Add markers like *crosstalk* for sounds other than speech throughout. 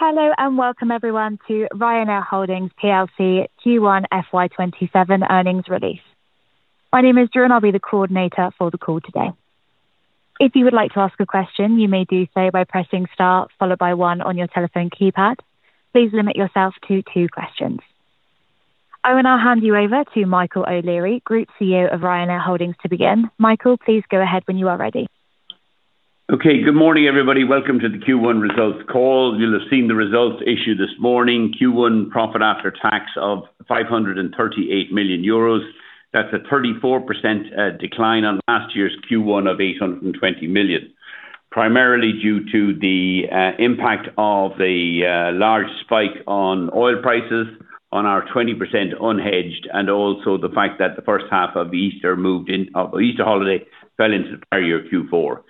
Hello, welcome everyone to Ryanair Holdings PLC Q1 FY 2027 earnings release. My name is Drew, and I'll be the coordinator for the call today. If you would like to ask a question, you may do so by pressing star followed by one on your telephone keypad. Please limit yourself to two questions. I will now hand you over to Michael O'Leary, Group CEO of Ryanair Holdings to begin. Michael, please go ahead when you are ready. Okay. Good morning, everybody. Welcome to the Q1 results call. You'll have seen the results issued this morning. Q1 profit after tax of 538 million euros. That's a 34% decline on last year's Q1 of 820 million, primarily due to the impact of the large spike on oil prices on our 20% unhedged, and also the fact that the first half of the Easter holiday fell into the prior year Q4.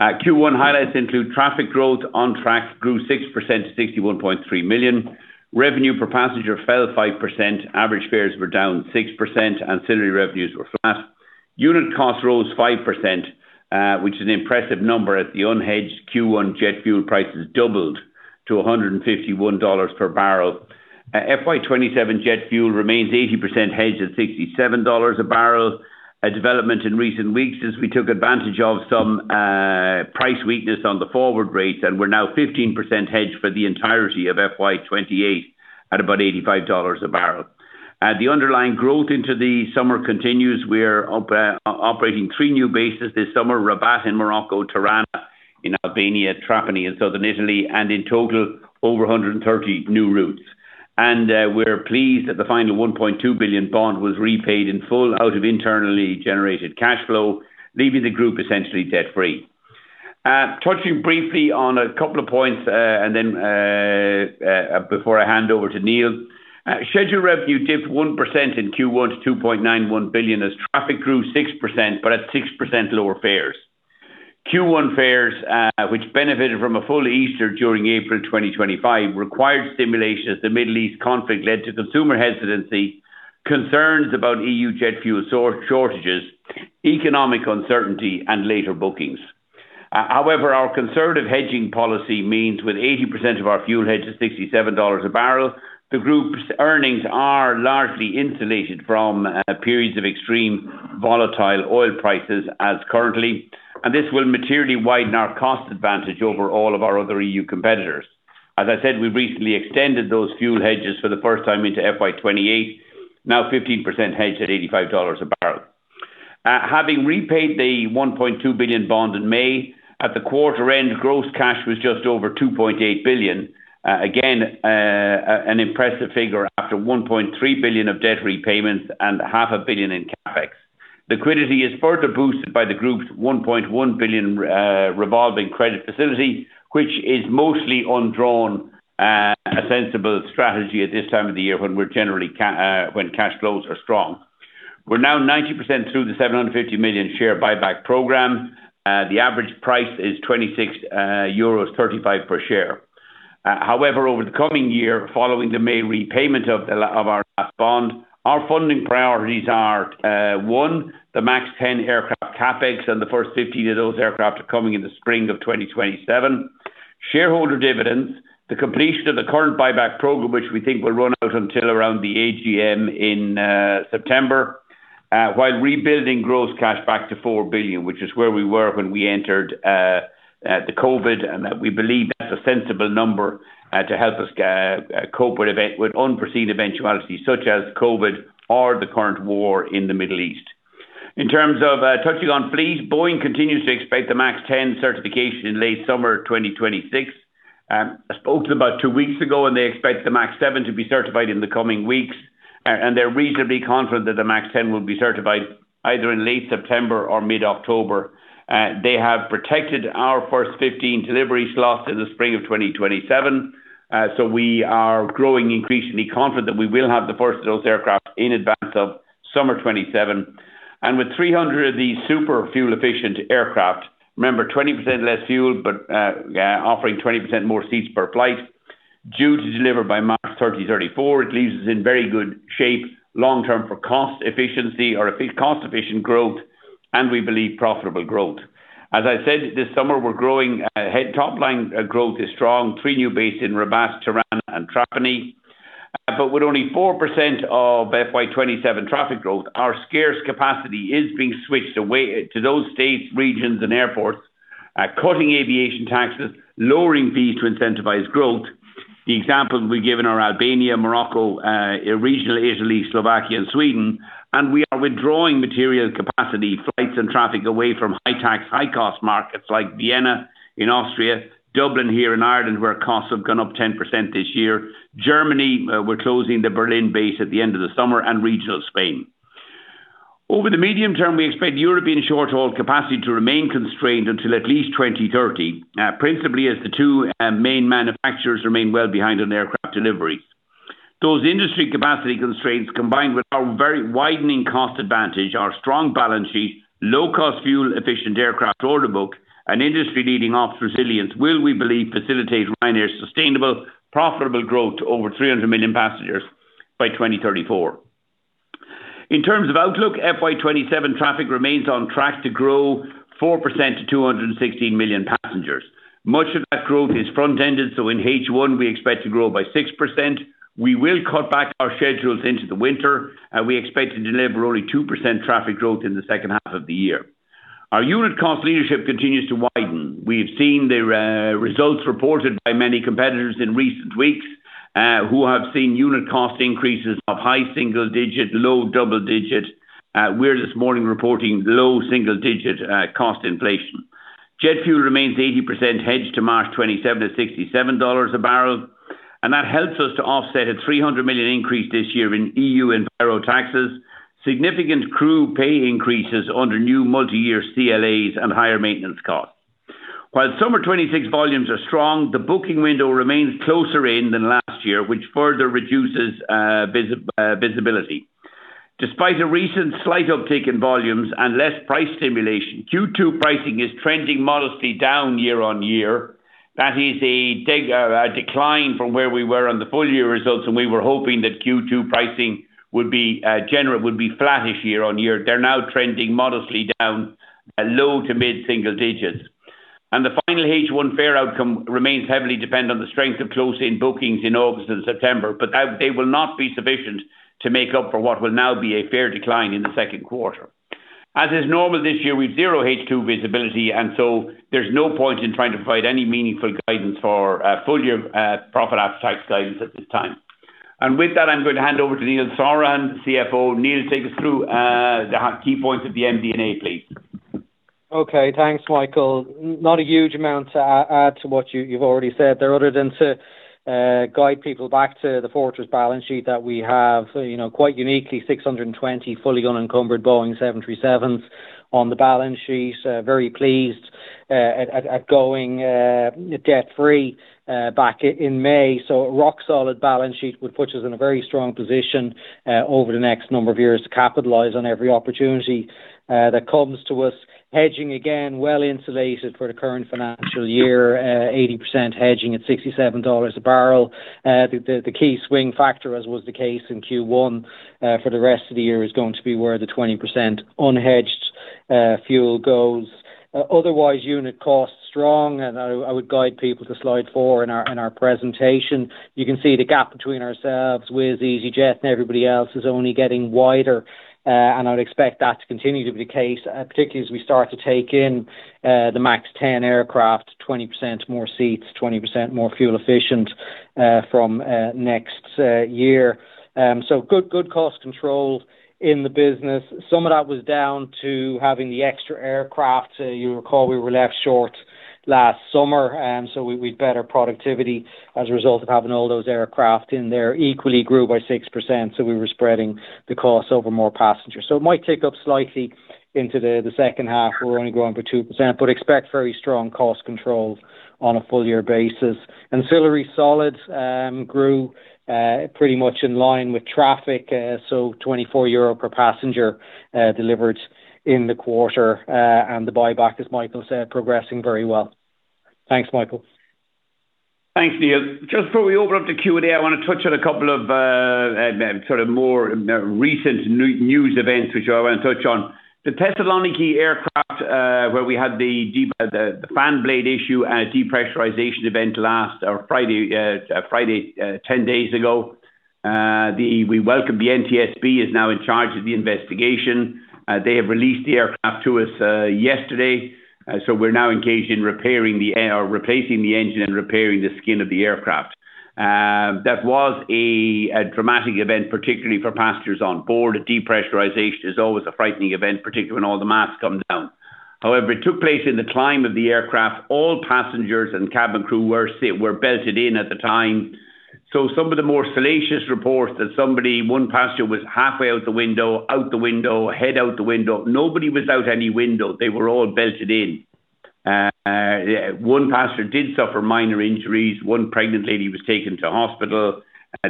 Q1 highlights include traffic growth on track grew 6% to 61.3 million. Revenue per passenger fell 5%. Average fares were down 6%, ancillary revenues were flat. Unit cost rose 5%, which is an impressive number as the unhedged Q1 jet fuel prices doubled to $151 per bbl. FY 2027 jet fuel remains 80% hedged at $67 a bbl, a development in recent weeks as we took advantage of some price weakness on the forward rates, and we're now 15% hedged for the entirety of FY 2028 at about $85 a bbl. The underlying growth into the summer continues. We're operating three new bases this summer, Rabat in Morocco, Tirana in Albania, Trapani in Southern Italy, and in total over 130 new routes. We're pleased that the final 1.2 billion bond was repaid in full out of internally generated cash flow, leaving the group essentially debt-free. Touching briefly on a couple of points, and then before I hand over to Neil. Schedule revenue dipped 1% in Q1 to 2.91 billion as traffic grew 6%, but at 6% lower fares. Q1 fares, which benefited from a full Easter during April 2025, required stimulation as the Middle East conflict led to consumer hesitancy, concerns about EU jet fuel shortages, economic uncertainty, and later bookings. However, our conservative hedging policy means with 80% of our fuel hedged at $67 a bbl, the group's earnings are largely insulated from periods of extreme volatile oil prices as currently, and this will materially widen our cost advantage over all of our other EU competitors. As I said, we've recently extended those fuel hedges for the first time into FY 2028, now 15% hedged at $85 a bbl. Having repaid the 1.2 billion bond in May, at the quarter end, gross cash was just over 2.8 billion. Again, an impressive figure after 1.3 billion of debt repayments and 500 million in CapEx. Liquidity is further boosted by the group's 1.1 billion revolving credit facility, which is mostly undrawn, a sensible strategy at this time of the year when cash flows are strong. We are now 90% through the 750 million share buyback program. The average price is 26.35 euros per share. However, over the coming year, following the main repayment of our last bond, our funding priorities are, one, the MAX 10 aircraft CapEx and the first 50 of those aircraft are coming in the spring of 2027. Shareholder dividends, the completion of the current buyback program, which we think will run out until around the AGM in September, while rebuilding gross cash back to 4 billion, which is where we were when we entered the COVID, and we believe that's a sensible number to help us cope with unforeseen eventualities such as COVID or the current war in the Middle East. In terms of touching on fleet, Boeing continues to expect the MAX 10 certification in late summer 2026. I spoke to them about two weeks ago, and they expect the MAX 7 to be certified in the coming weeks, and they are reasonably confident that the MAX 10 will be certified either in late September or mid-October. They have protected our first 15 delivery slots in the spring of 2027. So we are growing increasingly confident that we will have the first of those aircraft in advance of summer 2027. And with 300 of these super fuel-efficient aircraft, remember, 20% less fuel, but offering 20% more seats per flight, due to deliver by March 2034, it leaves us in very good shape long term for cost efficiency or cost-efficient growth, and we believe profitable growth. As I said, this summer, top line growth is strong. Three new bases in Rabat, Tirana and Trapani. But with only 4% of FY 2027 traffic growth, our scarce capacity is being switched away to those states, regions and airports, cutting aviation taxes, lowering fees to incentivize growth. The examples we have given are Albania, Morocco, regional Italy, Slovakia and Sweden, and we are withdrawing material capacity, flights and traffic away from high tax, high cost markets like Vienna in Austria, Dublin here in Ireland, where costs have gone up 10% this year. Germany, we are closing the Berlin base at the end of the summer and regional Spain. Over the medium term, we expect European short-haul capacity to remain constrained until at least 2030, principally as the two main manufacturers remain well behind on aircraft deliveries. Those industry capacity constraints, combined with our very widening cost advantage, our strong balance sheet, low cost fuel efficient aircraft order book, and industry leading ops resilience will, we believe, facilitate Ryanair's sustainable, profitable growth to over 300 million passengers by 2034. In terms of outlook, FY 2027 traffic remains on track to grow 4% to 216 million passengers. Much of that growth is front-ended, so in H1, we expect to grow by 6%. We will cut back our schedules into the winter, and we expect to deliver only 2% traffic growth in the second half of the year. Our unit cost leadership continues to widen. We have seen the results reported by many competitors in recent weeks, who have seen unit cost increases of high single digit, low double digit. We are this morning reporting low single digit cost inflation. Jet fuel remains 80% hedged to March 27 at $67 a bbl. That helps us to offset a 300 million increase this year in EU and bureau taxes, significant crew pay increases under new multi-year CLAs and higher maintenance costs. While summer 2026 volumes are strong, the booking window remains closer in than last year, which further reduces visibility. Despite a recent slight uptick in volumes and less price stimulation, Q2 pricing is trending modestly down year-over-year. That is a decline from where we were on the full-year results. We were hoping that Q2 pricing would be flattish year-over-year. They are now trending modestly down at low to mid single digits. The final H1 fare outcome remains heavily dependent on the strength of close-in bookings in August and September, but they will not be sufficient to make up for what will now be a fare decline in the second quarter. As is normal this year, we have zero H2 visibility, so there's no point in trying to provide any meaningful guidance for full-year profit after tax guidance at this time. With that, I'm going to hand over to Neil Sorahan, CFO. Neil, take us through the key points of the MD&A, please. Okay. Thanks, Michael. Not a huge amount to add to what you've already said there other than to guide people back to the fortress balance sheet that we have. Quite uniquely 620 fully unencumbered Boeing 737s on the balance sheet. Very pleased at going debt-free back in May. A rock solid balance sheet, which puts us in a very strong position over the next number of years to capitalize on every opportunity that comes to us. Hedging, again, well insulated for the current financial year, 80% hedging at $67 a bbl. The key swing factor, as was the case in Q1, for the rest of the year is going to be where the 20% unhedged fuel goes. Otherwise, unit costs strong. I would guide people to slide four in our presentation. You can see the gap between ourselves with easyJet and everybody else is only getting wider. I'd expect that to continue to be the case, particularly as we start to take in the MAX 10 aircraft, 20% more seats, 20% more fuel efficient from next year. Good cost control in the business. Some of that was down to having the extra aircraft. You recall we were left short last summer. We'd better productivity as a result of having all those aircraft in there. Equally grew by 6%. We were spreading the cost over more passengers. It might tick up slightly into the second half. We're only growing by 2%, but expect very strong cost control on a full-year basis. Ancillary sales grew pretty much in line with traffic, 24 euro per passenger delivered in the quarter. The buyback, as Michael said, progressing very well. Thanks, Michael. Thanks, Neil. Just before we open up the Q&A, I want to touch on a couple of more recent news events. The Thessaloniki aircraft, where we had the fan blade issue and depressurization event last Friday, 10 days ago. We welcome the NTSB is now in charge of the investigation. They have released the aircraft to us yesterday. We're now engaged in replacing the engine and repairing the skin of the aircraft. That was a traumatic event, particularly for passengers on board. A depressurization is always a frightening event, particularly when all the masks come down. It took place in the climb of the aircraft. All passengers and cabin crew were belted in at the time. Some of the more salacious reports that one passenger was halfway out the window, head out the window. Nobody was out any window. They were all belted in. One passenger did suffer minor injuries. One pregnant lady was taken to hospital.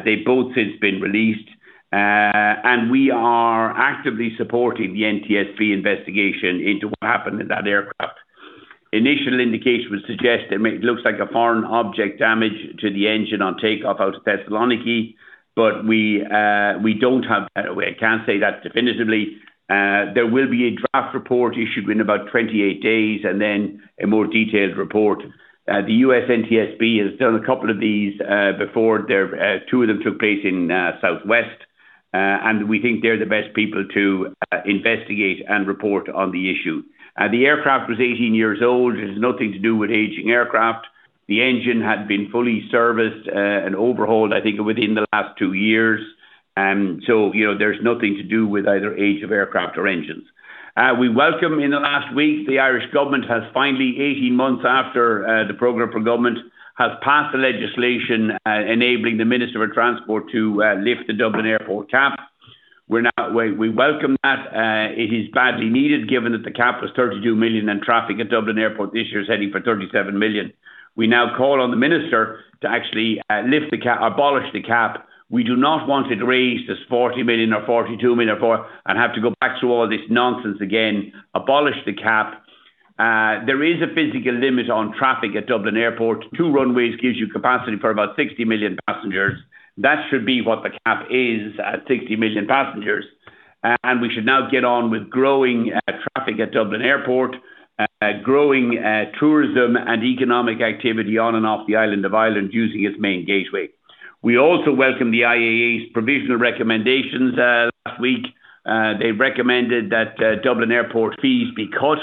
They both since been released. We are actively supporting the NTSB investigation into what happened in that aircraft. Initial indication would suggest that it looks like a foreign object damage to the engine on takeoff out of Thessaloniki. We can't say that definitively. There will be a draft report issued in about 28 days, and then a more detailed report. The U.S. NTSB has done a couple of these before. Two of them took place in Southwest. We think they're the best people to investigate and report on the issue. The aircraft was 18 years old. It has nothing to do with aging aircraft. The engine had been fully serviced and overhauled, I think, within the last two years. There's nothing to do with either age of aircraft or engines. We welcome in the last week, the Irish government has finally, 18 months after the program for government, has passed the legislation enabling the Minister of Transport to lift the Dublin Airport cap. We welcome that. It is badly needed given that the cap was 32 million and traffic at Dublin Airport this year is heading for 37 million. We now call on the minister to actually abolish the cap. We do not want it raised as 40 million or 42 million and have to go back to all this nonsense again. Abolish the cap. There is a physical limit on traffic at Dublin Airport. Two runways gives you capacity for about 60 million passengers. That should be what the cap is at 60 million passengers. We should now get on with growing traffic at Dublin Airport, growing tourism and economic activity on and off the island of Ireland using its main gateway. We also welcome the IAA's provisional recommendations last week. They recommended that Dublin Airport fees be cut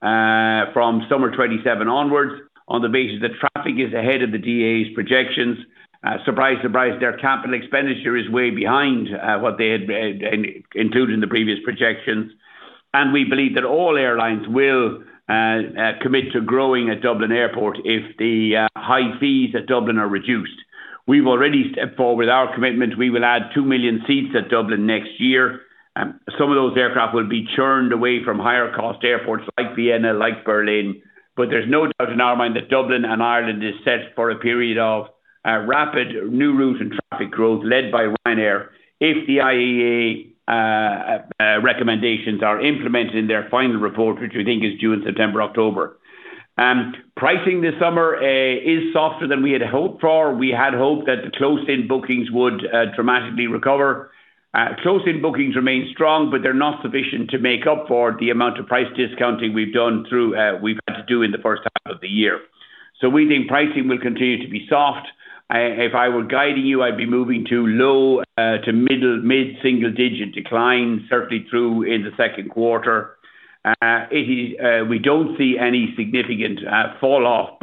from summer 2027 onwards on the basis that traffic is ahead of the DAA's projections. Surprise, surprise, their capital expenditure is way behind what they had included in the previous projections, and we believe that all airlines will commit to growing at Dublin Airport if the high fees at Dublin are reduced. We've already stepped forward with our commitment. We will add 2 million seats at Dublin next year. Some of those aircraft will be churned away from higher cost airports like Vienna, like Berlin. There's no doubt in our mind that Dublin and Ireland is set for a period of rapid new route and traffic growth led by Ryanair if the IAA recommendations are implemented in their final report, which we think is due in September, October. Pricing this summer is softer than we had hoped for. We had hoped that the close-in bookings would dramatically recover. Close-in bookings remain strong, but they're not sufficient to make up for the amount of price discounting we've had to do in the first half of the year. We think pricing will continue to be soft. If I were guiding you, I'd be moving to low to mid-single-digit decline, certainly through in the second quarter. We don't see any significant fall off,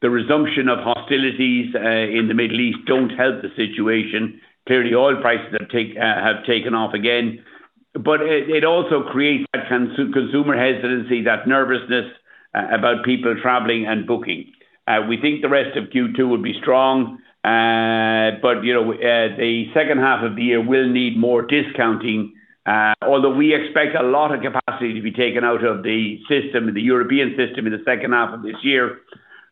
the resumption of hostilities in the Middle East don't help the situation. Clearly, oil prices have taken off again, it also creates that consumer hesitancy, that nervousness about people traveling and booking. We think the rest of Q2 will be strong. The second half of the year will need more discounting. Although we expect a lot of capacity to be taken out of the European system in the second half of this year,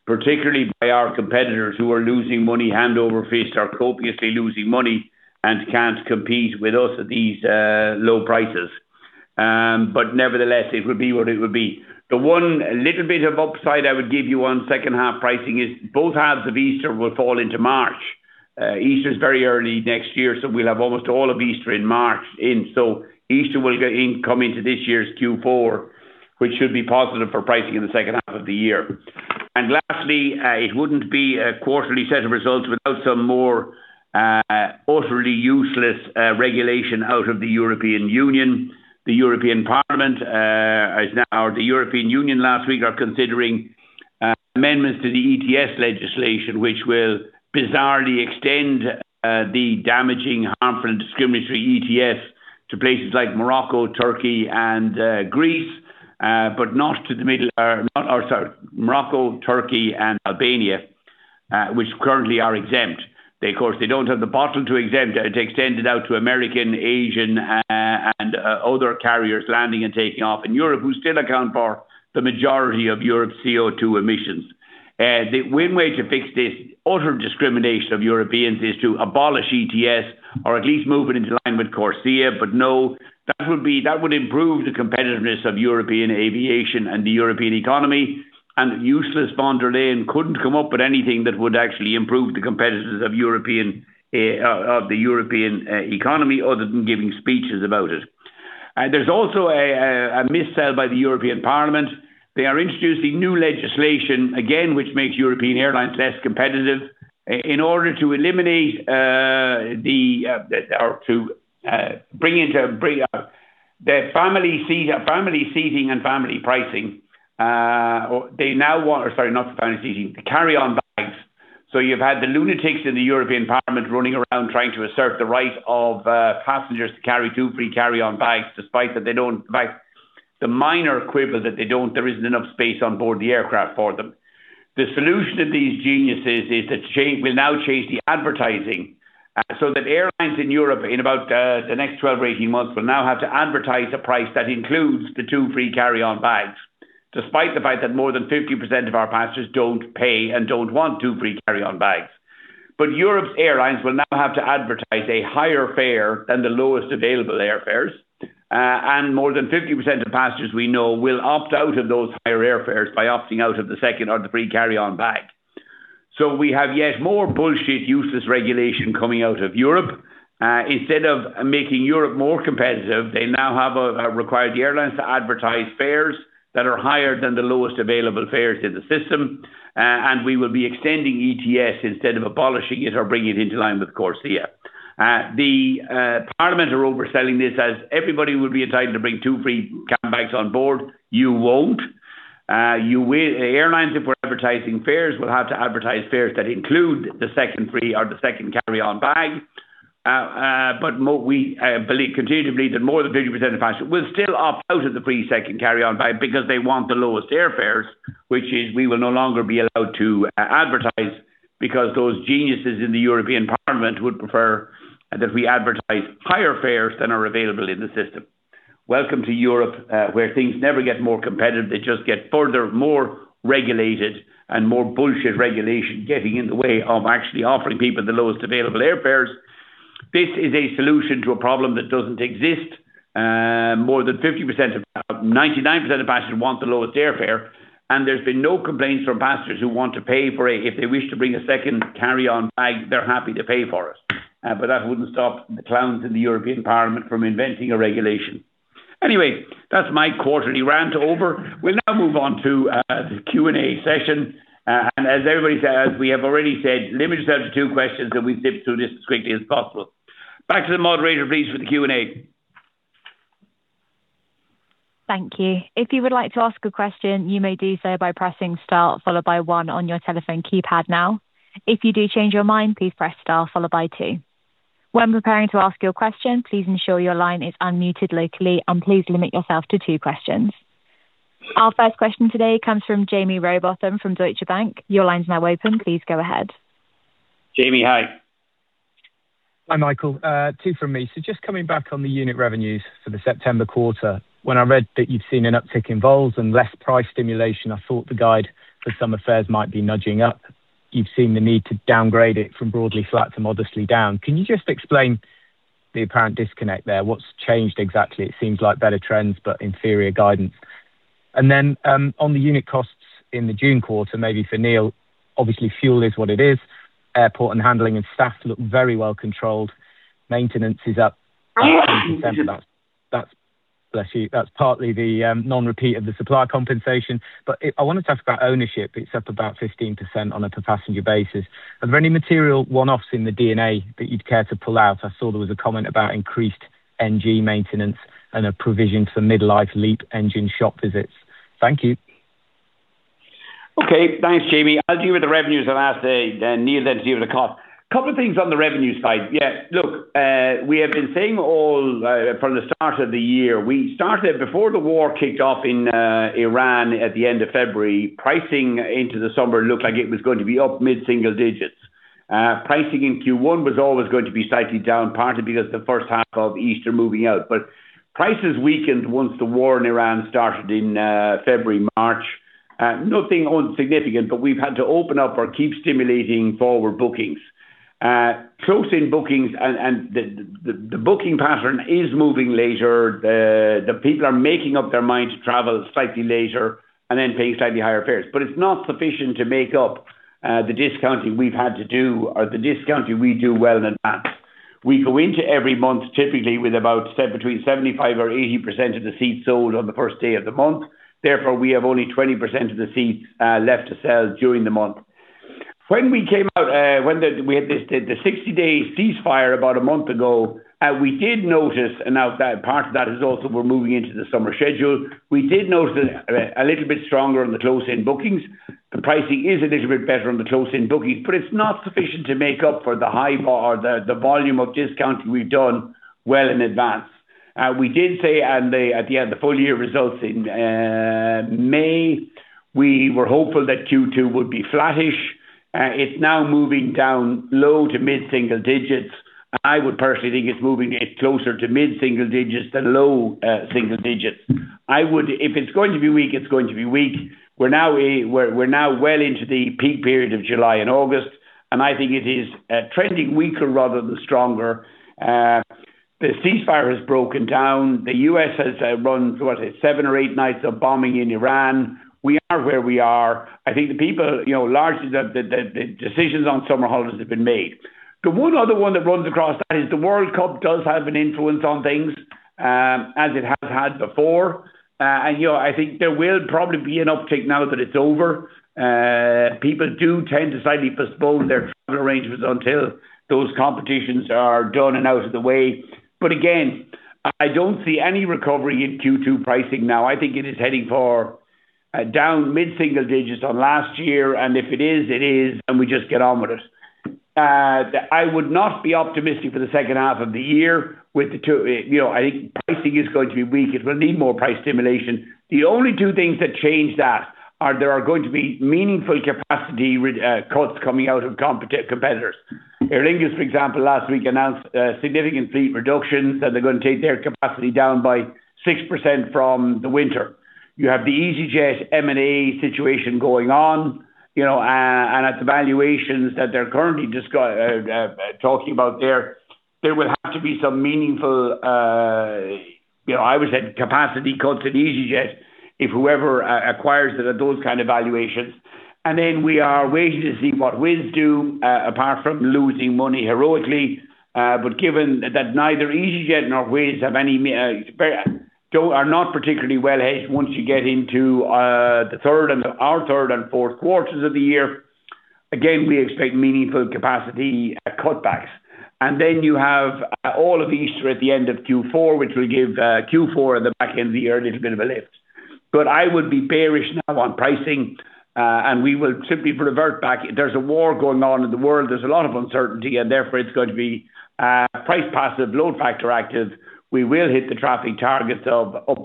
particularly by our competitors who are losing money hand over fist, are copiously losing money, and can't compete with us at these low prices. Nevertheless, it would be what it would be. The one little bit of upside I would give you on second half pricing is both halves of Easter will fall into March. Easter is very early next year, so we'll have almost all of Easter in March. Easter will come into this year's Q4, which should be positive for pricing in the second half of the year. Lastly, it wouldn't be a quarterly set of results without some more utterly useless regulation out of the European Union. The European Union last week are considering amendments to the ETS legislation, which will bizarrely extend the damaging, harmful, and discriminatory ETS to places like Morocco, Turkey, and Greece. Sorry. Morocco, Turkey, and Albania, which currently are exempt. They, of course, don't have the bottle to extend it out to American, Asian, and other carriers landing and taking off in Europe, who still account for the majority of Europe's CO2 emissions. The one way to fix this utter discrimination of Europeans is to abolish ETS or at least move it into line with CORSIA. No, that would improve the competitiveness of European aviation and the European economy and useless Ursula von der Leyen couldn't come up with anything that would actually improve the competitiveness of the European economy other than giving speeches about it. There's also a missell by the European Parliament. They are introducing new legislation again, which makes European airlines less competitive in order to bring their family seating and family pricing. Sorry, not the family seating, the carry-on bags. You've had the lunatics in the European Parliament running around trying to assert the right of passengers to carry two free carry-on bags despite the minor quibble that there isn't enough space on board the aircraft for them. The solution of these geniuses is that we'll now change the advertising so that airlines in Europe in about the next 12 or 18 months will now have to advertise a price that includes the two free carry-on bags, despite the fact that more than 50% of our passengers don't pay and don't want two free carry-on bags. Europe's airlines will now have to advertise a higher fare than the lowest available airfares. More than 50% of passengers we know will opt out of those higher airfares by opting out of the second or the free carry-on bag. We have yet more bullshit, useless regulation coming out of Europe. Instead of making Europe more competitive, they now have required the airlines to advertise fares that are higher than the lowest available fares in the system, and we will be extending ETS instead of abolishing it or bringing it into line with CORSIA. The Parliament are overselling this as everybody would be entitled to bring two free cabin bags on board. You won't. Airlines, if we're advertising fares, will have to advertise fares that include the second free or the second carry-on bag. We continue to believe that more than 50% of passengers will still opt out of the free second carry-on bag because they want the lowest airfares, which is we will no longer be allowed to advertise because those geniuses in the European Parliament would prefer that we advertise higher fares than are available in the system. Welcome to Europe, where things never get more competitive. They just get further more regulated and more bullshit regulation getting in the way of actually offering people the lowest available airfares. This is a solution to a problem that doesn't exist. 99% of passengers want the lowest airfare, and there's been no complaints from passengers who want to pay for it. If they wish to bring a second carry-on bag, they're happy to pay for it. That wouldn't stop the clowns in the European Parliament from inventing a regulation. Anyway, that's my quarterly rant over. We'll now move on to the Q&A session. As we have already said, limit yourself to two questions and we'll zip through this as quickly as possible. Back to the moderator, please, for the Q&A. Thank you. If you would like to ask a question, you may do so by pressing star followed by one on your telephone keypad now. If you do change your mind, please press star followed by two. When preparing to ask your question, please ensure your line is unmuted locally and please limit yourself to two questions. Our first question today comes from Jaime Rowbotham from Deutsche Bank. Your line's now open. Please go ahead. Jaime, hi. Hi, Michael. Two from me. Just coming back on the unit revenues for the September quarter. When I read that you've seen an uptick in vols and less price stimulation, I thought the guide for summer fares might be nudging up. You've seen the need to downgrade it from broadly flat to modestly down. Can you just explain the apparent disconnect there? What's changed exactly? It seems like better trends, but inferior guidance. On the unit costs in the June quarter, maybe for Neil, obviously fuel is what it is. Airport and handling and staff look very well controlled. Maintenance is up 15%. Bless you. That's partly the non-repeat of the supply compensation. I wanted to ask about ownership. It's up about 15% on a per passenger basis. Are there any material one-offs in the D&A that you'd care to pull out? I saw there was a comment about increased NG maintenance and a provision for mid-life LEAP engine shop visits. Thank you. Okay. Thanks, Jaime. I'll deal with the revenues and ask Neil then to deal with the cost. Couple of things on the revenue side. Yeah. Look, we have been saying all from the start of the year. We started before the war kicked off in Iran at the end of February. Pricing into the summer looked like it was going to be up mid-single digits. Pricing in Q1 was always going to be slightly down, partly because the first half of Easter moving out. Prices weakened once the war in Iran started in February, March. Nothing own significant, but we've had to open up or keep stimulating forward bookings. Closing bookings and the booking pattern is moving later. The people are making up their mind to travel slightly later and then paying slightly higher fares. It's not sufficient to make up the discounting we've had to do or the discounting we do well in advance. We go into every month typically with about, say, between 75% or 80% of the seats sold on the first day of the month. Therefore, we have only 20% of the seats left to sell during the month. When we had the 60-day ceasefire about a month ago, we did notice, and now part of that is also we're moving into the summer schedule. We did notice a little bit stronger on the close-in bookings. The pricing is a little bit better on the close-in bookings, but it's not sufficient to make up for the high bar or the volume of discounting we've done well in advance. We did say at the end of the full-year results in May, we were hopeful that Q2 would be flattish. It's now moving down low to mid-single digits. I would personally think it's moving closer to mid-single digits than low single digits. If it's going to be weak, it's going to be weak. We're now well into the peak period of July and August, and I think it is trending weaker rather than stronger. The ceasefire has broken down. The U.S. has run, what is it? Seven or eight nights of bombing in Iran. We are where we are. I think the people, largely the decisions on summer holidays have been made. The one other one that runs across that is the World Cup does have an influence on things, as it has had before. I think there will probably be an uptake now that it's over. People do tend to slightly postpone their travel arrangements until those competitions are done and out of the way. Again, I don't see any recovery in Q2 pricing now. I think it is heading for down mid-single digits on last year. If it is, it is, and we just get on with it. I would not be optimistic for the second half of the year. I think pricing is going to be weak. It will need more price stimulation. The only two things that change that are there are going to be meaningful capacity cuts coming out of competitors. Aer Lingus, for example, last week announced significant fleet reductions, that they're going to take their capacity down by 6% from the winter. You have the easyJet M&A situation going on, and at the valuations that they're currently talking about there will have to be some meaningful, I would say, capacity cuts at easyJet if whoever acquires it at those kind of valuations. We are waiting to see what Wizz do apart from losing money heroically. Given that neither easyJet nor Wizz are not particularly well hedged once you get into our third and fourth quarters of the year. Again, we expect meaningful capacity cutbacks. You have all of Easter at the end of Q4, which will give Q4 and the back end of the year a little bit of a lift. I would be bearish now on pricing. We will simply revert back. There's a war going on in the world. There's a lot of uncertainty, and therefore it's going to be price passive, load factor active. We will hit the traffic targets of up 4%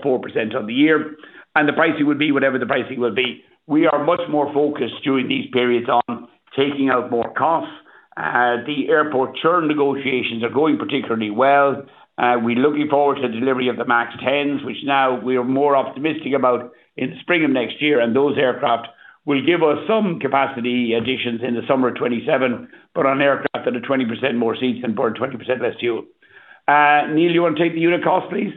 on the year, and the pricing will be whatever the pricing will be. We are much more focused during these periods on taking out more costs. The airport churn negotiations are going particularly well. We're looking forward to the delivery of the MAX 10s, which now we are more optimistic about in spring of next year, and those aircraft will give us some capacity additions in the summer of 2027, but on aircraft that are 20% more seats and burn 20% less fuel. Neil, you want to take the unit cost, please?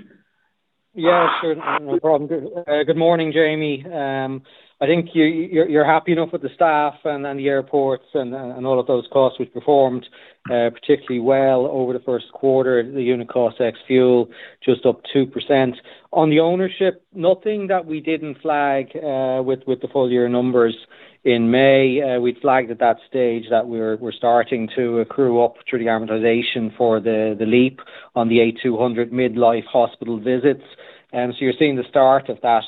Yeah, sure. No problem. Good morning, Jaime. I think you're happy enough with the staff and the airports and all of those costs, which performed particularly well over the first quarter, the unit cost ex-fuel just up 2%. On the ownership, nothing that we didn't flag with the full year numbers in May. We'd flagged at that stage that we're starting to accrue up through the amortization for the LEAP on the 8200 mid-life hospital visits. You're seeing the start of that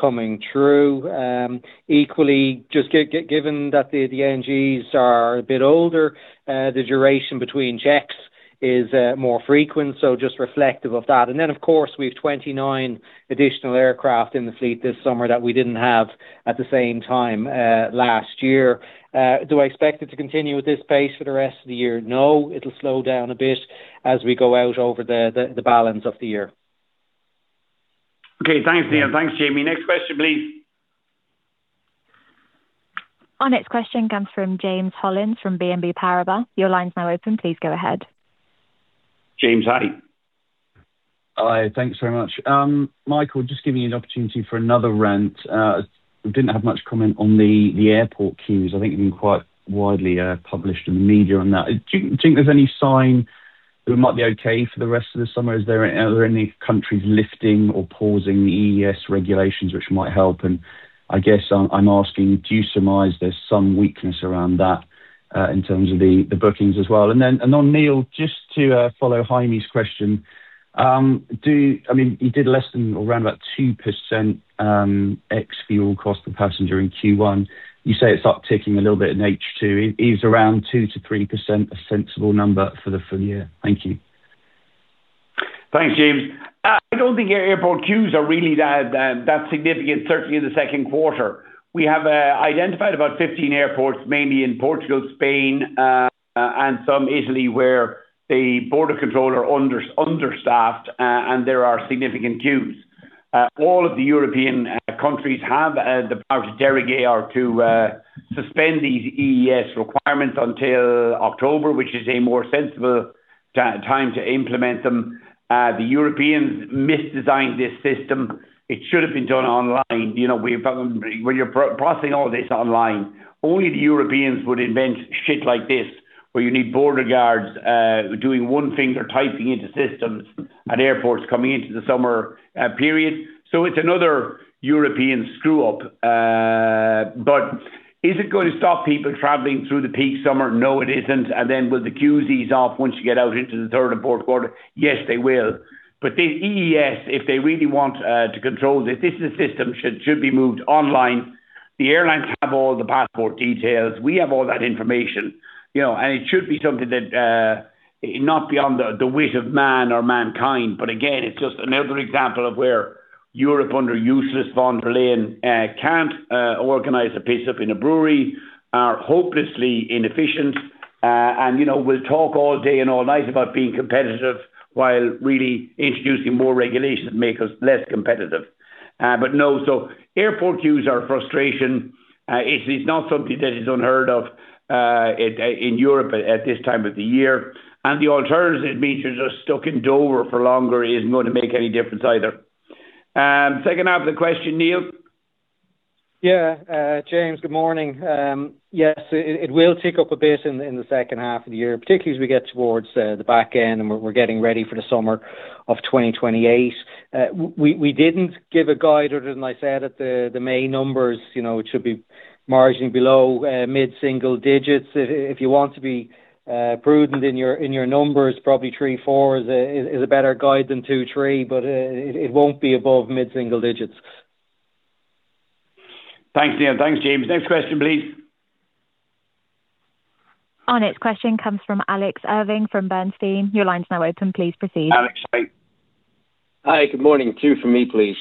coming through. Equally, just given that the NGs are a bit older, the duration between checks is more frequent, so just reflective of that. Of course, we've 29 additional aircraft in the fleet this summer that we didn't have at the same time last year. Do I expect it to continue at this pace for the rest of the year? No, it'll slow down a bit as we go out over the balance of the year. Okay. Thanks, Neil. Thanks, Jaime. Next question please. Our next question comes from James Hollins from BNP Paribas. Your line's now open. Please go ahead. James, hi. Hi. Thanks very much. Michael, just giving you an opportunity for another rant. We didn't have much comment on the airport queues. I think it had been quite widely published in the media on that. Do you think there's any sign that we might be okay for the rest of the summer? Are there any countries lifting or pausing the EES regulations which might help? I guess I'm asking, do you surmise there's some weakness around that, in terms of the bookings as well? Then on Neil, just to follow Jaime's question. You did less than around about 2% ex-fuel cost per passenger in Q1. You say it's up ticking a little bit in H2. Is around 2%-3% a sensible number for the full year? Thank you. Thanks, James. I don't think airport queues are really that significant, certainly in the second quarter. We have identified about 15 airports, mainly in Portugal, Spain, and some Italy, where the border control are understaffed, and there are significant queues. All of the European countries have the power to derogate or to suspend these EES requirements until October, which is a more sensible time to implement them. The Europeans misdesigned this system. It should have been done online. When you're processing all of this online, only the Europeans would invent shit like this, where you need border guards doing one thing. They're typing into systems at airports coming into the summer period. It's another European screw-up. Is it going to stop people traveling through the peak summer? No, it isn't. Then will the queues ease off once you get out into the third and fourth quarter? Yes, they will. The EES, if they really want to control this system should be moved online. The airlines have all the passport details. We have all that information. It should be something that not beyond the wit of man or mankind. Again, it's just another example of where Europe under Ursula von der Leyen can't organize a piss up in a brewery, are hopelessly inefficient, and will talk all day and all night about being competitive while really introducing more regulations that make us less competitive. No, airport queues are a frustration. It's not something that is unheard of in Europe at this time of the year. The alternative means you're just stuck in Dover for longer isn't going to make any difference either. Second half of the question, Neil? James, good morning. Yes, it will tick up a bit in the second half of the year, particularly as we get towards the back end and we're getting ready for the summer of 2028. We didn't give a guide other than I said at the May numbers, it should be margining below mid-single digits. If you want to be prudent in your numbers, probably three, four is a better guide than two, three, but it won't be above mid-single digits. Thanks, Neil. Thanks, James. Next question, please. Our next question comes from Alex Irving from Bernstein. Your line's now open. Please proceed. Alex, hi. Hi. Good morning. Two from me, please.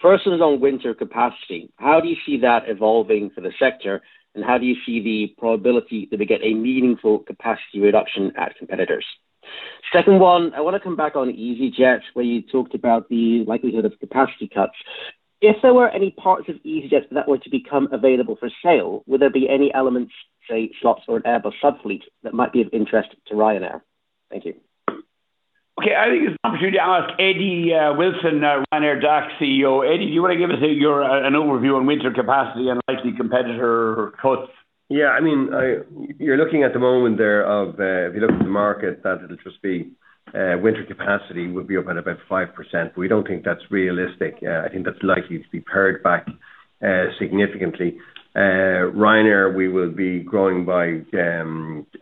First one is on winter capacity. How do you see that evolving for the sector, and how do you see the probability that we get a meaningful capacity reduction at competitors? Second one, I want to come back on easyJet, where you talked about the likelihood of capacity cuts. If there were any parts of easyJet that were to become available for sale, would there be any elements, say slots or an Airbus sub fleet that might be of interest to Ryanair? Thank you. Okay. I think it's an opportunity to ask Eddie Wilson, Ryanair DAC CEO. Eddie, do you want to give us an overview on winter capacity and likely competitor cuts? Yeah, you're looking at the moment there of, if you look at the market, that it'll just be winter capacity will be up at about 5%, but we don't think that's realistic. I think that's likely to be pared back significantly. Ryanair, we will be growing by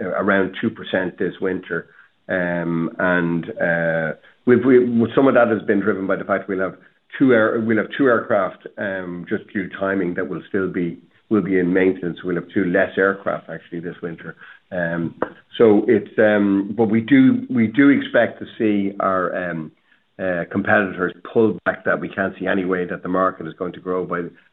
around 2% this winter. Some of that has been driven by the fact we'll have two aircraft just due to timing that will be in maintenance. We'll have two less aircraft actually this winter. We do expect to see our competitors pull back that we can't see any way that the market is going to grow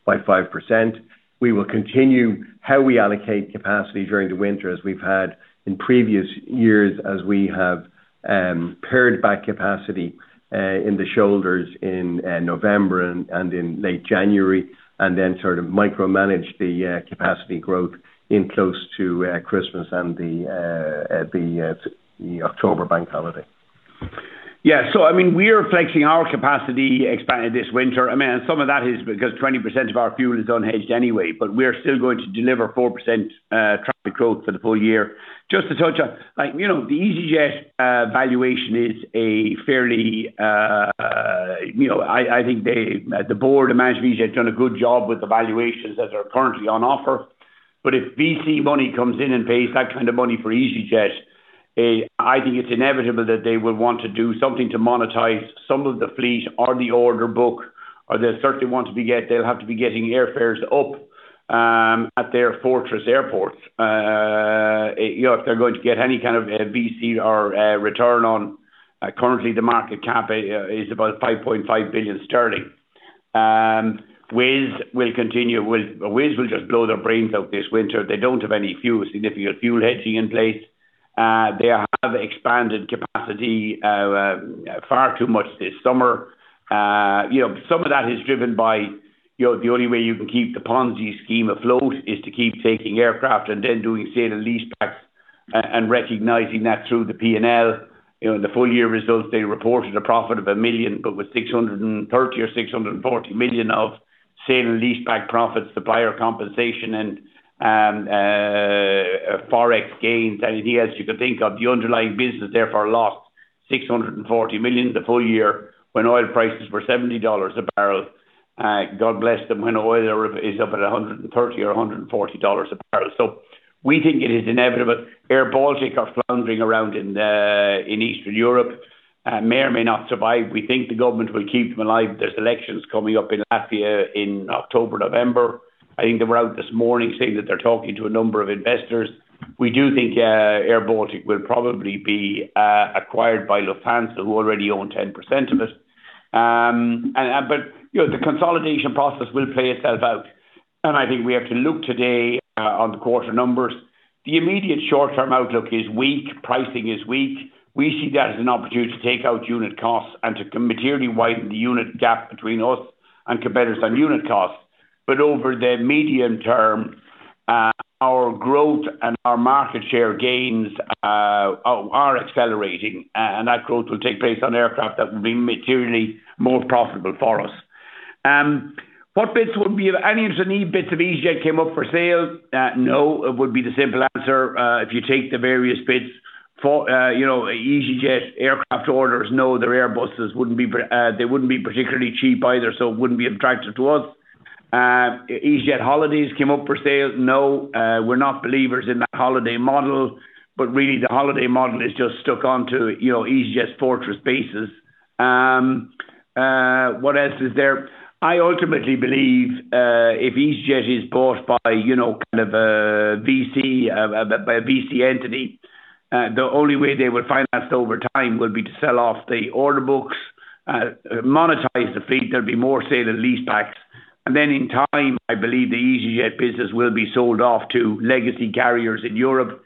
by 5%. We will continue how we allocate capacity during the winter, as we've had in previous years as we have pared back capacity in the shoulders in November and in late January, then sort of micromanage the capacity growth in close to Christmas and the October bank holiday. Yeah. We are flexing our capacity expanded this winter. Some of that is because 20% of our fuel is unhedged anyway, we are still going to deliver 4% traffic growth for the full year. Just to touch on, the easyJet valuation is a fairly I think the board of management of easyJet has done a good job with the valuations as they are currently on offer. If VC money comes in and pays that kind of money for easyJet, I think it's inevitable that they will want to do something to monetize some of the fleet or the order book, or they certainly they'll have to be getting airfares up at their fortress airports if they're going to get any kind of VC or return on. Currently, the market cap is about 5.5 billion sterling. Wizz will just blow their brains out this winter. They don't have any significant fuel hedging in place. They have expanded capacity far too much this summer. Some of that is driven by the only way you can keep the Ponzi scheme afloat is to keep taking aircraft and then doing sale and lease backs and recognizing that through the P&L. In the full year results, they reported a profit of 1 million, but with 630 million or 640 million of sale and lease back profits, supplier compensation, and forex gains, anything else you could think of. The underlying business therefore lost 640 million the full year when oil prices were $70 a bbl. God bless them, when oil is up at $130 or $140 a bbl. We think it is inevitable. AirBaltic are floundering around in Eastern Europe. May or may not survive. We think the government will keep them alive. There's elections coming up in Latvia in October, November. I think they were out this morning saying that they're talking to a number of investors. We do think airBaltic will probably be acquired by Lufthansa, who already own 10% of it. The consolidation process will play itself out. I think we have to look today on the quarter numbers. The immediate short-term outlook is weak. Pricing is weak. We see that as an opportunity to take out unit costs and to materially widen the unit gap between us and competitors on unit costs. Over the medium term, our growth and our market share gains are accelerating, and that growth will take place on aircraft that will be materially more profitable for us. What bits would be of any interest, any bits of easyJet came up for sale? No, would be the simple answer. If you take the various bits for easyJet aircraft orders, no, their Airbuses they wouldn't be particularly cheap either, so it wouldn't be attractive to us. EasyJet holidays came up for sale. No, we're not believers in that holiday model, but really the holiday model is just stuck onto easyJet's fortress bases. What else is there? I ultimately believe if easyJet is bought by a VC entity, the only way they will finance over time will be to sell off the order books. Monetize the fleet. There'll be more sale and lease backs. In time, I believe the easyJet business will be sold off to legacy carriers in Europe.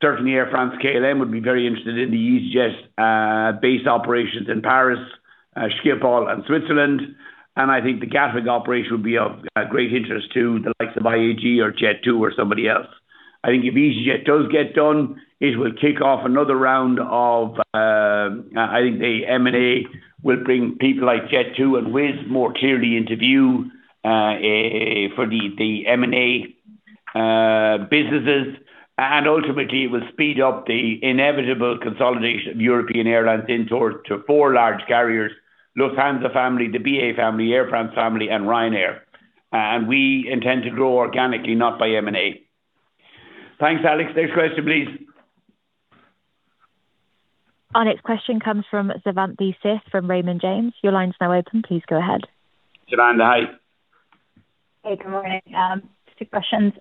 Certainly, Air France-KLM would be very interested in the easyJet base operations in Paris, Schiphol, and Switzerland. I think the Gatwick operation would be of great interest to the likes of IAG or Jet2 or somebody else. I think if easyJet does get done, it will kick off another round of, I think the M&A will bring people like Jet2 and Wizz more clearly into view for the M&A businesses, ultimately will speed up the inevitable consolidation of European airlines into four large carriers: Lufthansa family, the BA family, Air France family, and Ryanair. We intend to grow organically, not by M&A. Thanks, Alex. Next question, please. Our next question comes from Savanthi Syth from Raymond James. Your line is now open. Please go ahead. Savanthi, hi. Good morning. Just two questions.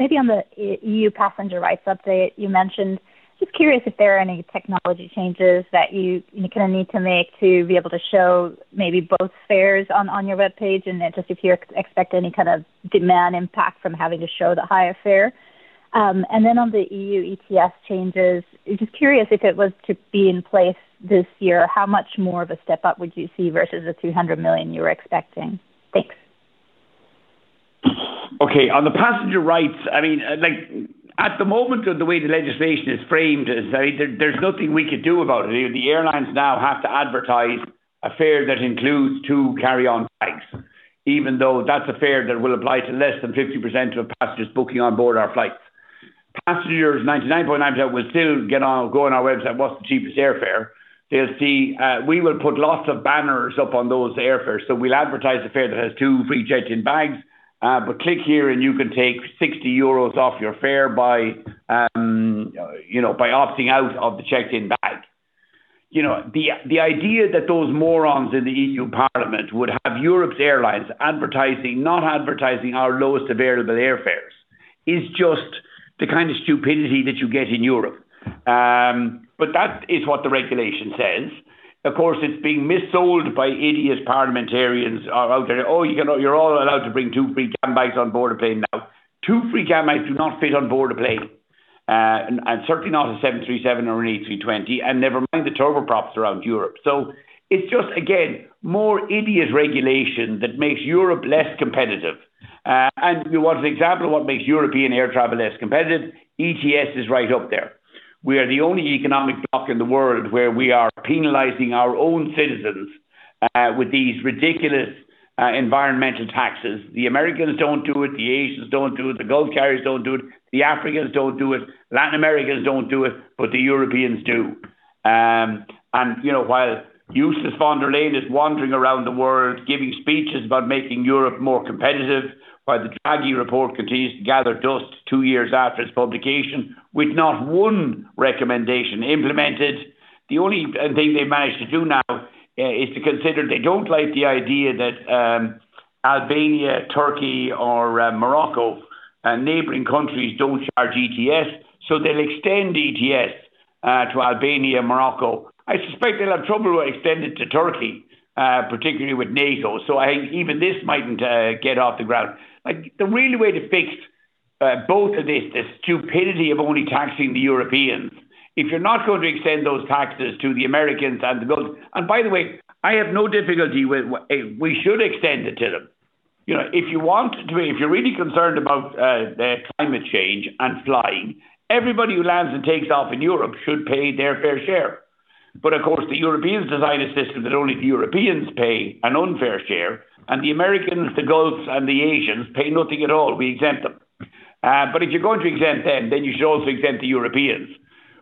Maybe on the EU passenger rights update you mentioned, just curious if there are any technology changes that you kind of need to make to be able to show maybe both fares on your webpage, just if you expect any kind of demand impact from having to show the higher fare. On the EU ETS changes, just curious if it was to be in place this year, how much more of a step up would you see versus the 200 million you were expecting? Thanks. Okay. On the passenger rights, at the moment, the way the legislation is framed is there's nothing we could do about it. The airlines now have to advertise a fare that includes two carry-on bags, even though that's a fare that will apply to less than 50% of passengers booking on board our flights. Passengers 99.9% will still go on our website, what's the cheapest airfare? We will put lots of banners up on those airfares. We'll advertise a fare that has two free checked-in bags. Click here and you can take 60 euros off your fare by opting out of the checked-in bag. The idea that those morons in the EU Parliament would have Europe's airlines not advertising our lowest available airfares is just the kind of stupidity that you get in Europe. That is what the regulation says. Of course, it's being mis-sold by idiot parliamentarians out there. "Oh, you're all allowed to bring two free cabin bags on board a plane now." Two free cabin bags do not fit on board a plane. Certainly not a 737 or an A320, never mind the turboprops around Europe. It's just, again, more idiot regulation that makes Europe less competitive. You want an example of what makes European air travel less competitive? ETS is right up there. We are the only economic block in the world where we are penalizing our own citizens with these ridiculous environmental taxes. The Americans don't do it, the Asians don't do it, the Gulf carriers don't do it, the Africans don't do it, Latin Americans don't do it, but the Europeans do. While useless von der Leyen is wandering around the world giving speeches about making Europe more competitive. While the Draghi report continues to gather dust two years after its publication with not one recommendation implemented. The only thing they've managed to do now is to consider they don't like the idea that Albania, Turkey or Morocco and neighboring countries don't charge ETS, they'll extend ETS to Albania and Morocco. I suspect they'll have trouble to extend it to Turkey, particularly with NATO. Even this mightn't get off the ground. The real way to fix both of this, the stupidity of only taxing the Europeans, if you're not going to extend those taxes to the Americans and the Gulf. By the way, I have no difficulty with. We should extend it to them. If you're really concerned about the climate change and flying, everybody who lands and takes off in Europe should pay their fair share. Of course, the Europeans designed a system that only the Europeans pay an unfair share, and the Americans, the Gulfs and the Asians pay nothing at all. We exempt them. If you're going to exempt them, then you should also exempt the Europeans.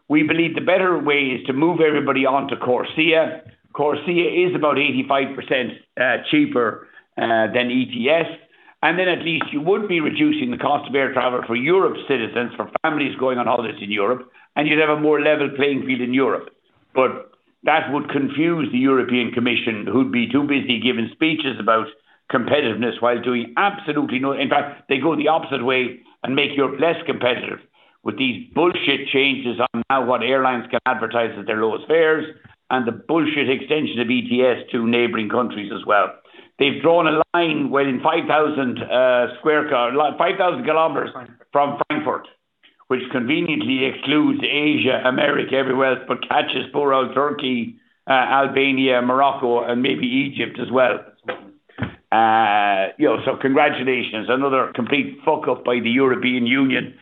We believe the better way is to move everybody on to CORSIA. CORSIA is about 85% cheaper than ETS. Then at least you would be reducing the cost of air travel for Europe citizens, for families going on holidays in Europe, and you'd have a more level playing field in Europe. That would confuse the European Commission, who'd be too busy giving speeches about competitiveness while doing absolutely nothing. In fact, they go the opposite way and make Europe less competitive with these bullshit changes on how, what airlines can advertise as their lowest fares, and the bullshit extension of ETS to neighboring countries as well. They've drawn a line within 5,000 km from Frankfurt, which conveniently excludes Asia, America, everywhere, but catches poor old Turkey, Albania, Morocco, and maybe Egypt as well. Congratulations. Another complete fuck up by the European Union.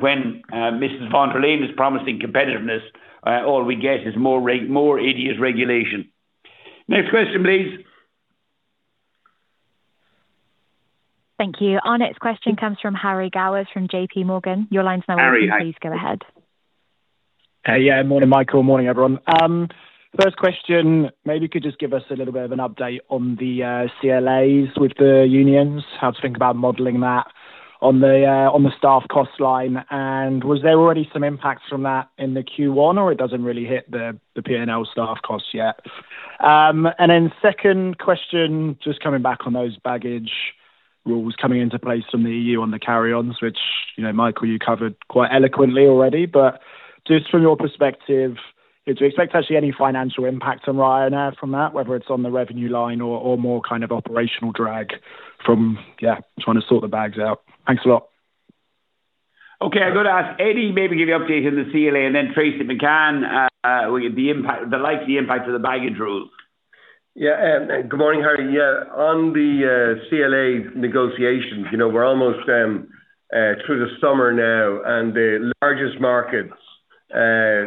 When Mrs. von der Leyen is promising competitiveness, all we get is more idiot regulation. Next question, please. Thank you. Our next question comes from Harry Gowers from JPMorgan. Your line's now open. Harry, hi. Please go ahead. Hi yeah. Morning, Michael. Morning, everyone. First question, maybe you could just give us a little bit of an update on the CLAs with the unions, how to think about modeling that on the staff cost line. Was there already some impacts from that in the Q1, or it doesn't really hit the P&L staff costs yet? Second question, just coming back on those baggage rules coming into place from the EU on the carry-ons, which Michael, you covered quite eloquently already. Just from your perspective, do you expect actually any financial impact on Ryanair from that, whether it's on the revenue line or more kind of operational drag from trying to sort the bags out? Thanks a lot. Okay. I'm going to ask Eddie maybe give you update on the CLA and then Tracey, if you can, the likely impact of the baggage rules. Yeah. Good morning, Harry. On the CLA negotiations, we're almost through the summer now, and the largest markets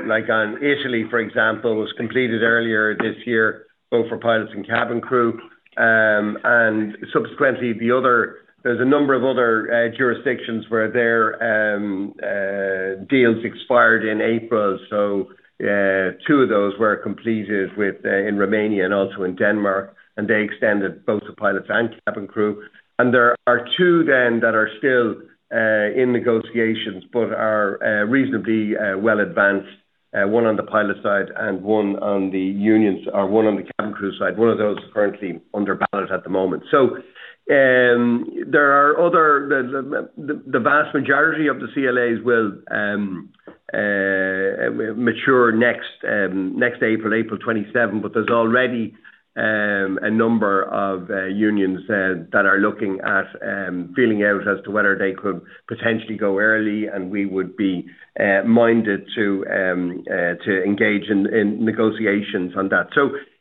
like on Italy, for example, was completed earlier this year, both for pilots and cabin crew. Subsequently, there's a number of other jurisdictions where their deals expired in April. Two of those were completed in Romania and also in Denmark, and they extended both the pilots and cabin crew. There are two then that are still in negotiations but are reasonably well advanced. One on the pilot side and one on the unions or one on the cabin crew side. One of those is currently under pilot at the moment. The vast majority of the CLAs will mature next April 27, but there's already a number of unions that are looking at feeling out as to whether they could potentially go early, and we would be minded to engage in negotiations on that.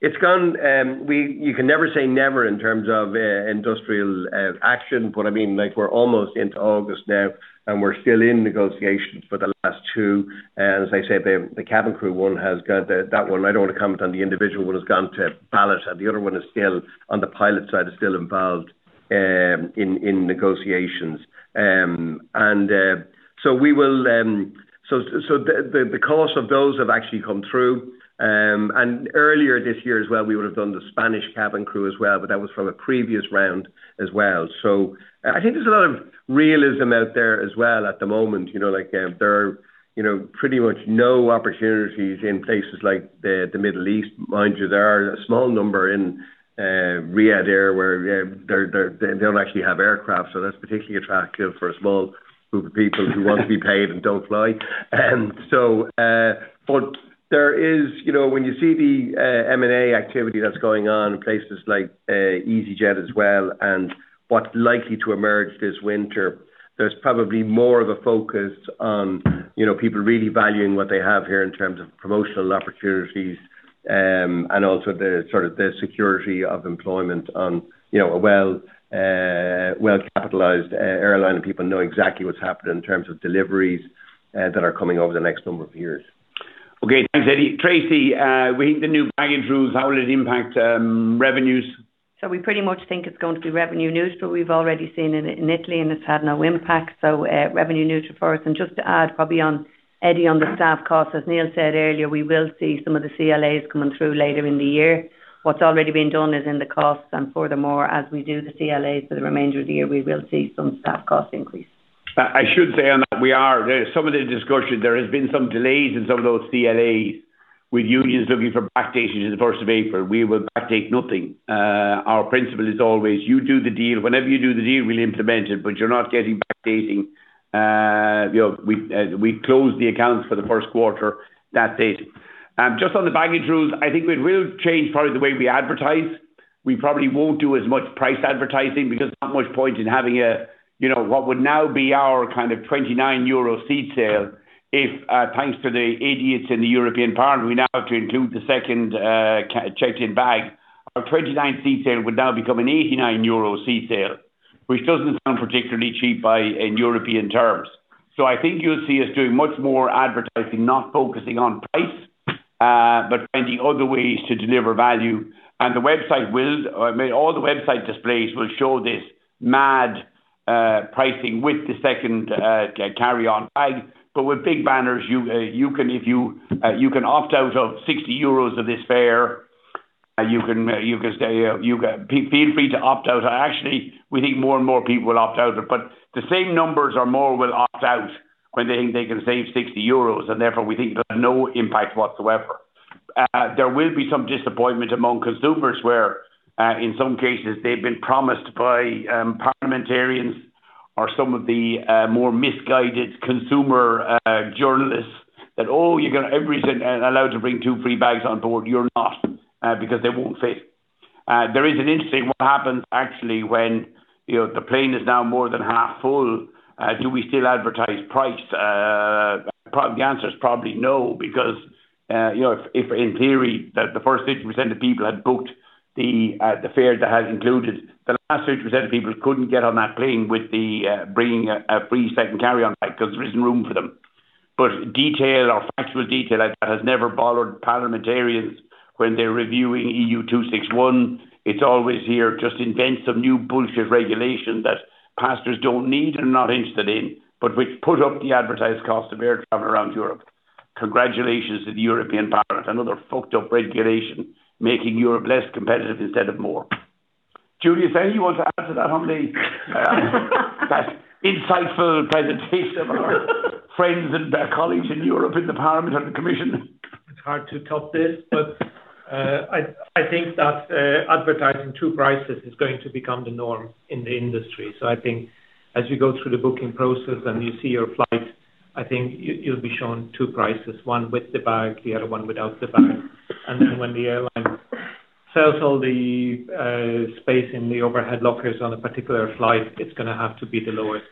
You can never say never in terms of industrial action. We're almost into August now, and we're still in negotiations for the last two. As I say, the cabin crew one, I don't want to comment on the individual one, has gone to ballot. The other one on the pilot side is still involved in negotiations. The cost of those have actually come through. Earlier this year as well, we would have done the Spanish cabin crew as well, but that was from a previous round as well. I think there's a lot of realism out there as well at the moment. There are pretty much no opportunities in places like the Middle East. Mind you, there are a small number in Riyadh there where they don't actually have aircraft, so that's particularly attractive for a small group of people who want to be paid and don't fly. When you see the M&A activity that's going on in places like easyJet as well and what's likely to emerge this winter, there's probably more of a focus on people really valuing what they have here in terms of promotional opportunities. Also the sort of the security of employment on a well-capitalized airline, and people know exactly what's happening in terms of deliveries that are coming over the next number of years. Okay, thanks Eddie. Tracey, we think the new baggage rules, how will it impact revenues? We pretty much think it's going to be revenue neutral. We've already seen it in Italy, and it's had no impact, so revenue neutral for us. Just to add probably on, Eddie, on the staff costs, as Neil said earlier, we will see some of the CLAs coming through later in the year. What's already been done is in the costs and furthermore, as we do the CLAs for the remainder of the year, we will see some staff cost increase. I should say on that, some of the discussion, there has been some delays in some of those CLAs with unions looking for backdating to the 1st of April. We will backdate nothing. Our principle is always you do the deal. Whenever you do the deal, we'll implement it, you're not getting backdating. We closed the accounts for the first quarter that date. On the baggage rules, I think it will change probably the way we advertise. We probably won't do as much price advertising because not much point in having what would now be our kind of 29 euro seat sale if, thanks to the idiots in the European Parliament, we now have to include the second checked-in bag. Our 29 seat sale would now become an 89 euro seat sale, which doesn't sound particularly cheap by European terms. I think you'll see us doing much more advertising, not focusing on price, but finding other ways to deliver value. All the website displays will show this mad pricing with the second carry-on bag. With big banners, you can opt out of 60 euros of this fare. Feel free to opt out. Actually, we think more and more people will opt out. The same numbers or more will opt out when they think they can save 60 euros. Therefore, we think there's no impact whatsoever. There will be some disappointment among consumers where, in some cases they've been promised by parliamentarians or some of the more misguided consumer journalists that, "Oh, you're going to everything allowed to bring two free bags on board." You're not, because they won't fit. There is an interesting what happens actually when the plane is now more than half full. Do we still advertise price? The answer is probably no, because, if in theory that the first 50% of people had booked the fare that has included, the last 50% of people couldn't get on that plane with the bringing a free second carry-on bag because there isn't room for them. Detail or factual detail has never bothered parliamentarians when they're reviewing EU 261. It's always here, just invent some new bullshit regulation that passengers don't need and are not interested in, but which put up the advertised cost of air travel around Europe. Congratulations to the European Parliament. Another fucked up regulation making Europe less competitive instead of more. Juliusz, anything you want to add to that on the- that insightful presentation of our friends and colleagues in Europe, in the Parliament and the Commission? It's hard to top this, I think that advertising two prices is going to become the norm in the industry. I think as you go through the booking process and you see your flight, I think you'll be shown two prices, one with the bag, the other one without the bag. Then when the airline sells all the space in the overhead lockers on a particular flight, it's going to have to be the lowest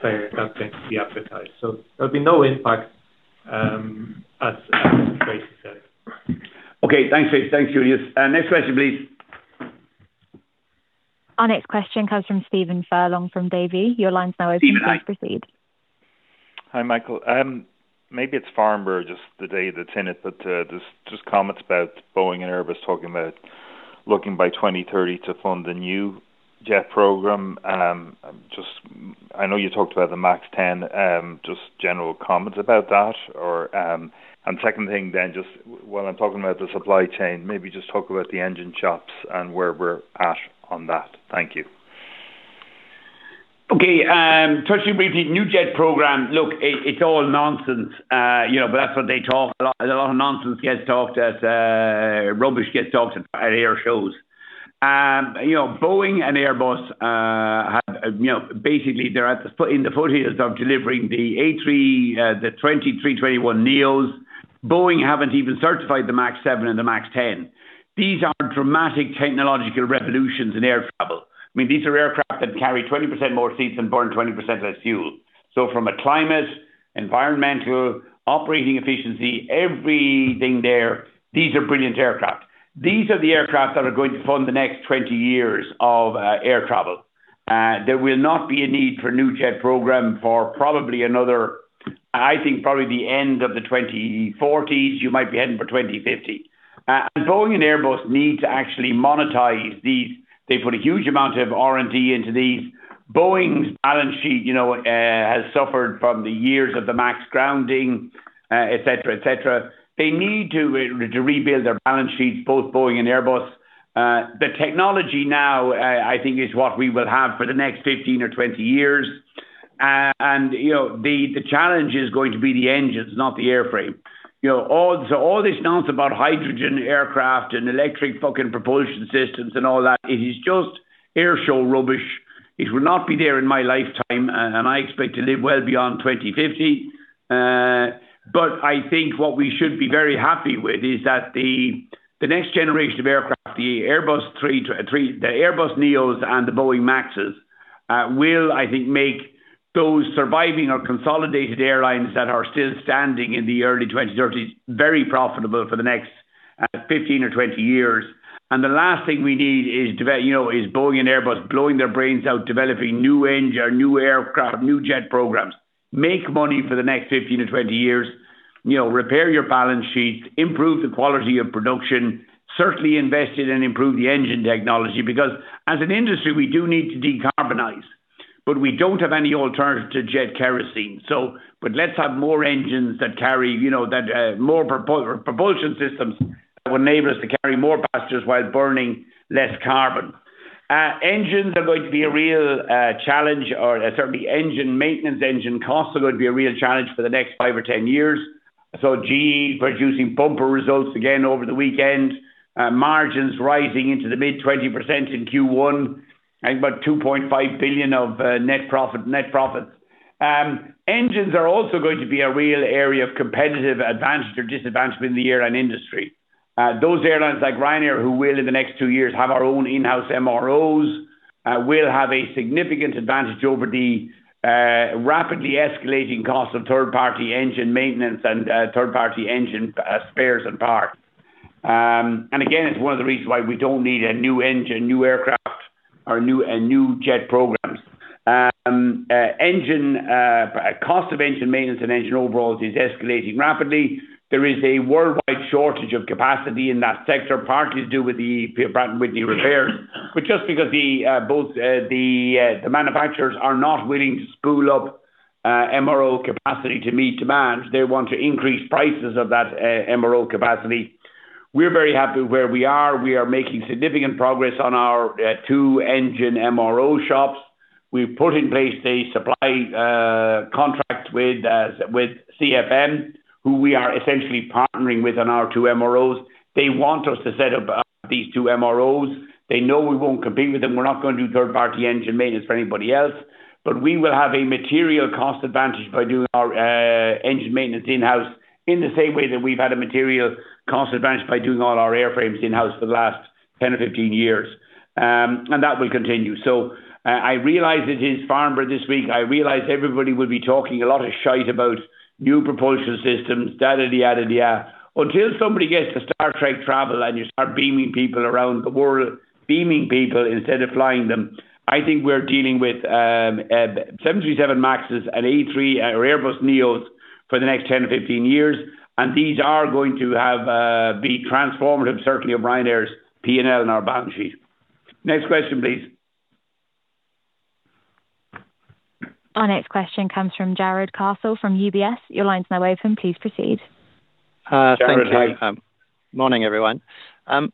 fare that's going to be advertised. There'll be no impact, as Tracey said. Okay. Thanks, Tracey. Thanks, Juliusz. Next question, please. Our next question comes from Stephen Furlong from Davy. Your line now is open. Please proceed. Hi, Michael. Maybe it's Farnborough, just the day that's in it. Just comments about Boeing and Airbus talking about looking by 2030 to fund the new jet program. I know you talked about the MAX 10. Just general comments about that. Second thing, just while I'm talking about the supply chain, maybe just talk about the engine shops and where we're at on that. Thank you. Okay. Touching briefly, new jet program. Look, it's all nonsense. That's what they talk. A lot of nonsense gets talked at air shows. Boeing and Airbus, basically they're in the foothills of delivering the A320, A321neos. Boeing haven't even certified the MAX 7 and the MAX 10. These aren't dramatic technological revolutions in air travel. I mean, these are aircraft that carry 20% more seats and burn 20% less fuel. From a climate, environmental, operating efficiency, everything there, these are brilliant aircraft. These are the aircraft that are going to fund the next 20 years of air travel. There will not be a need for a new jet program for probably another, I think, probably the end of the 2040s. You might be heading for 2050. Boeing and Airbus need to actually monetize these. They put a huge amount of R&D into these. Boeing's balance sheet has suffered from the years of the MAX grounding, et cetera. They need to rebuild their balance sheets, both Boeing and Airbus. The technology now, I think is what we will have for the next 15 or 20 years. The challenge is going to be the engines, not the airframe. All this nonsense about hydrogen aircraft and electric fucking propulsion systems and all that, it is just airshow rubbish. It will not be there in my lifetime, and I expect to live well beyond 2050. I think what we should be very happy with is that the next generation of aircraft, the Airbus NEOs and the Boeing MAXs will, I think, make those surviving or consolidated airlines that are still standing in the early 2030s very profitable for the next 15 or 20 years. The last thing we need is Boeing and Airbus blowing their brains out, developing new engine, new aircraft, new jet programs. Make money for the next 15 to 20 years, repair your balance sheets, improve the quality of production. Certainly invest in and improve the engine technology, because as an industry, we do need to decarbonize. We don't have any alternative to jet kerosene. Let's have more engines that carry more propulsion systems that will enable us to carry more passengers while burning less carbon. Engines are going to be a real challenge, or certainly engine maintenance, engine costs are going to be a real challenge for the next five or 10 years. I saw GE producing bumper results again over the weekend. Margins rising into the mid 20% in Q1. I think about 2.5 billion of net profits. Engines are also going to be a real area of competitive advantage or disadvantage in the airline industry. Those airlines like Ryanair, who will in the next two years have our own in-house MROs will have a significant advantage over the rapidly escalating cost of third-party engine maintenance and third-party engine spares and parts. Again, it's one of the reasons why we don't need a new engine, new aircraft, or new jet programs. Cost of engine maintenance and engine overalls is escalating rapidly. There is a worldwide shortage of capacity in that sector, partly to do with the Pratt & Whitney repair. Just because both the manufacturers are not willing to spool up MRO capacity to meet demand, they want to increase prices of that MRO capacity. We're very happy where we are. We are making significant progress on our two engine MRO shops. We've put in place a supply contract with CFM, who we are essentially partnering with on our two MROs. They want us to set up these two MROs. They know we won't compete with them. We're not going to do third-party engine maintenance for anybody else. We will have a material cost advantage by doing our engine maintenance in-house, in the same way that we've had a material cost advantage by doing all our airframes in-house for the last 10 or 15 years. That will continue. I realize it is Farnborough this week. I realize everybody will be talking a lot of shite about new propulsion systems, da-di-di-da-di-di-da. Until somebody gets a Star Trek travel and you start beaming people around the world, beaming people instead of flying them, I think we're dealing with 737 MAXs and A3 or Airbus NEOs for the next 10 to 15 years. These are going to be transformative, certainly of Ryanair's P&L and our balance sheet. Next question, please. Our next question comes from Jarrod Castle from UBS. Your line's now open. Please proceed. Jarrod, how are you? Thank you. Morning, everyone.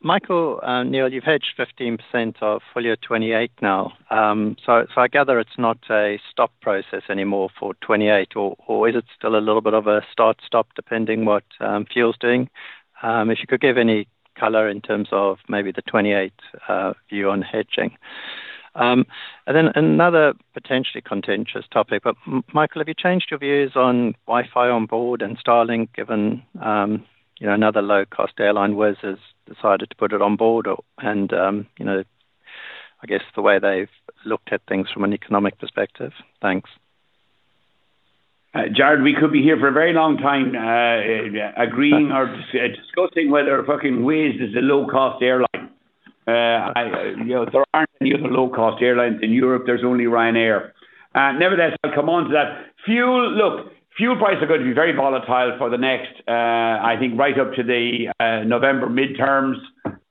Michael, Neil, you've hedged 15% of full year 2028 now. I gather it's not a stop process anymore for 2028 or is it still a little bit of a start, stop, depending what fuel's doing? If you could give any color in terms of maybe the 2028 view on hedging. Another potentially contentious topic, but Michael, have you changed your views on Wi-Fi on board and Starlink, given another low-cost airline, Wizz, has decided to put it on board and I guess the way they've looked at things from an economic perspective? Thanks. Jarrod, we could be here for a very long time agreeing or discussing whether fucking Wizz is a low-cost airline. There aren't any other low-cost airlines in Europe. There's only Ryanair. Nevertheless, I'll come on to that. Look, fuel prices are going to be very volatile for the next I think right up to the November midterms.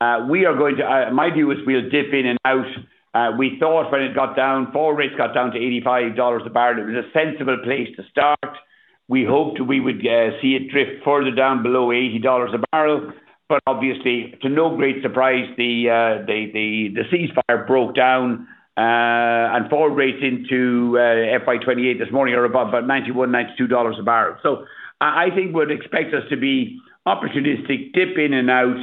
My view is we'll dip in and out. We thought when forward rates got down to $85 a bbl, it was a sensible place to start. We hope we would get to see a trip further down below $80 a bbl, but obviously, to no great surprise, the ceasefire broke down, and forward rates into FY 2028 this morning are above about $91, $92 a bbl. I think we'd expect us to be opportunistic, dip in and out.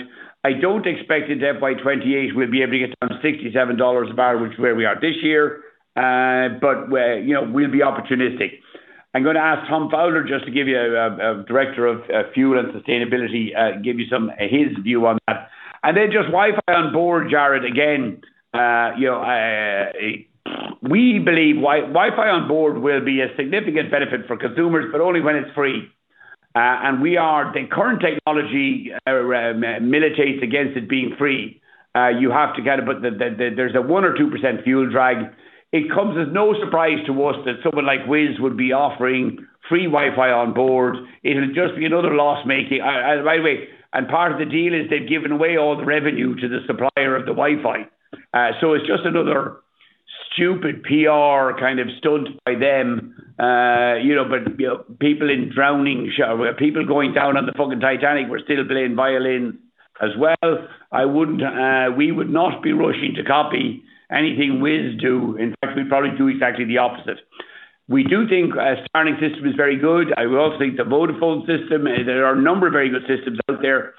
I don't expect that by 2028 we'll be able to get down to $67 a bbl, which is where we are this year. We'll be opportunistic. I'm going to ask Tom Fowler, Director of Sustainability, give you his view on that. Just Wi-Fi on board, Jarrod, again, we believe Wi-Fi on board will be a significant benefit for consumers, but only when it's free. The current technology militates against it being free. There's a 1% or 2% fuel drag. It comes as no surprise to us that someone like Wizz would be offering free Wi-Fi on board. It'll just be another loss-making. By the way, part of the deal is they've given away all the revenue to the supplier of the Wi-Fi. It's just another stupid PR kind of stunt by them. People going down on the fucking Titanic were still playing violin as well. We would not be rushing to copy anything Wizz do. In fact, we'd probably do exactly the opposite. We do think Starlink system is very good. I also think the Vodafone system, there are a number of very good systems out there.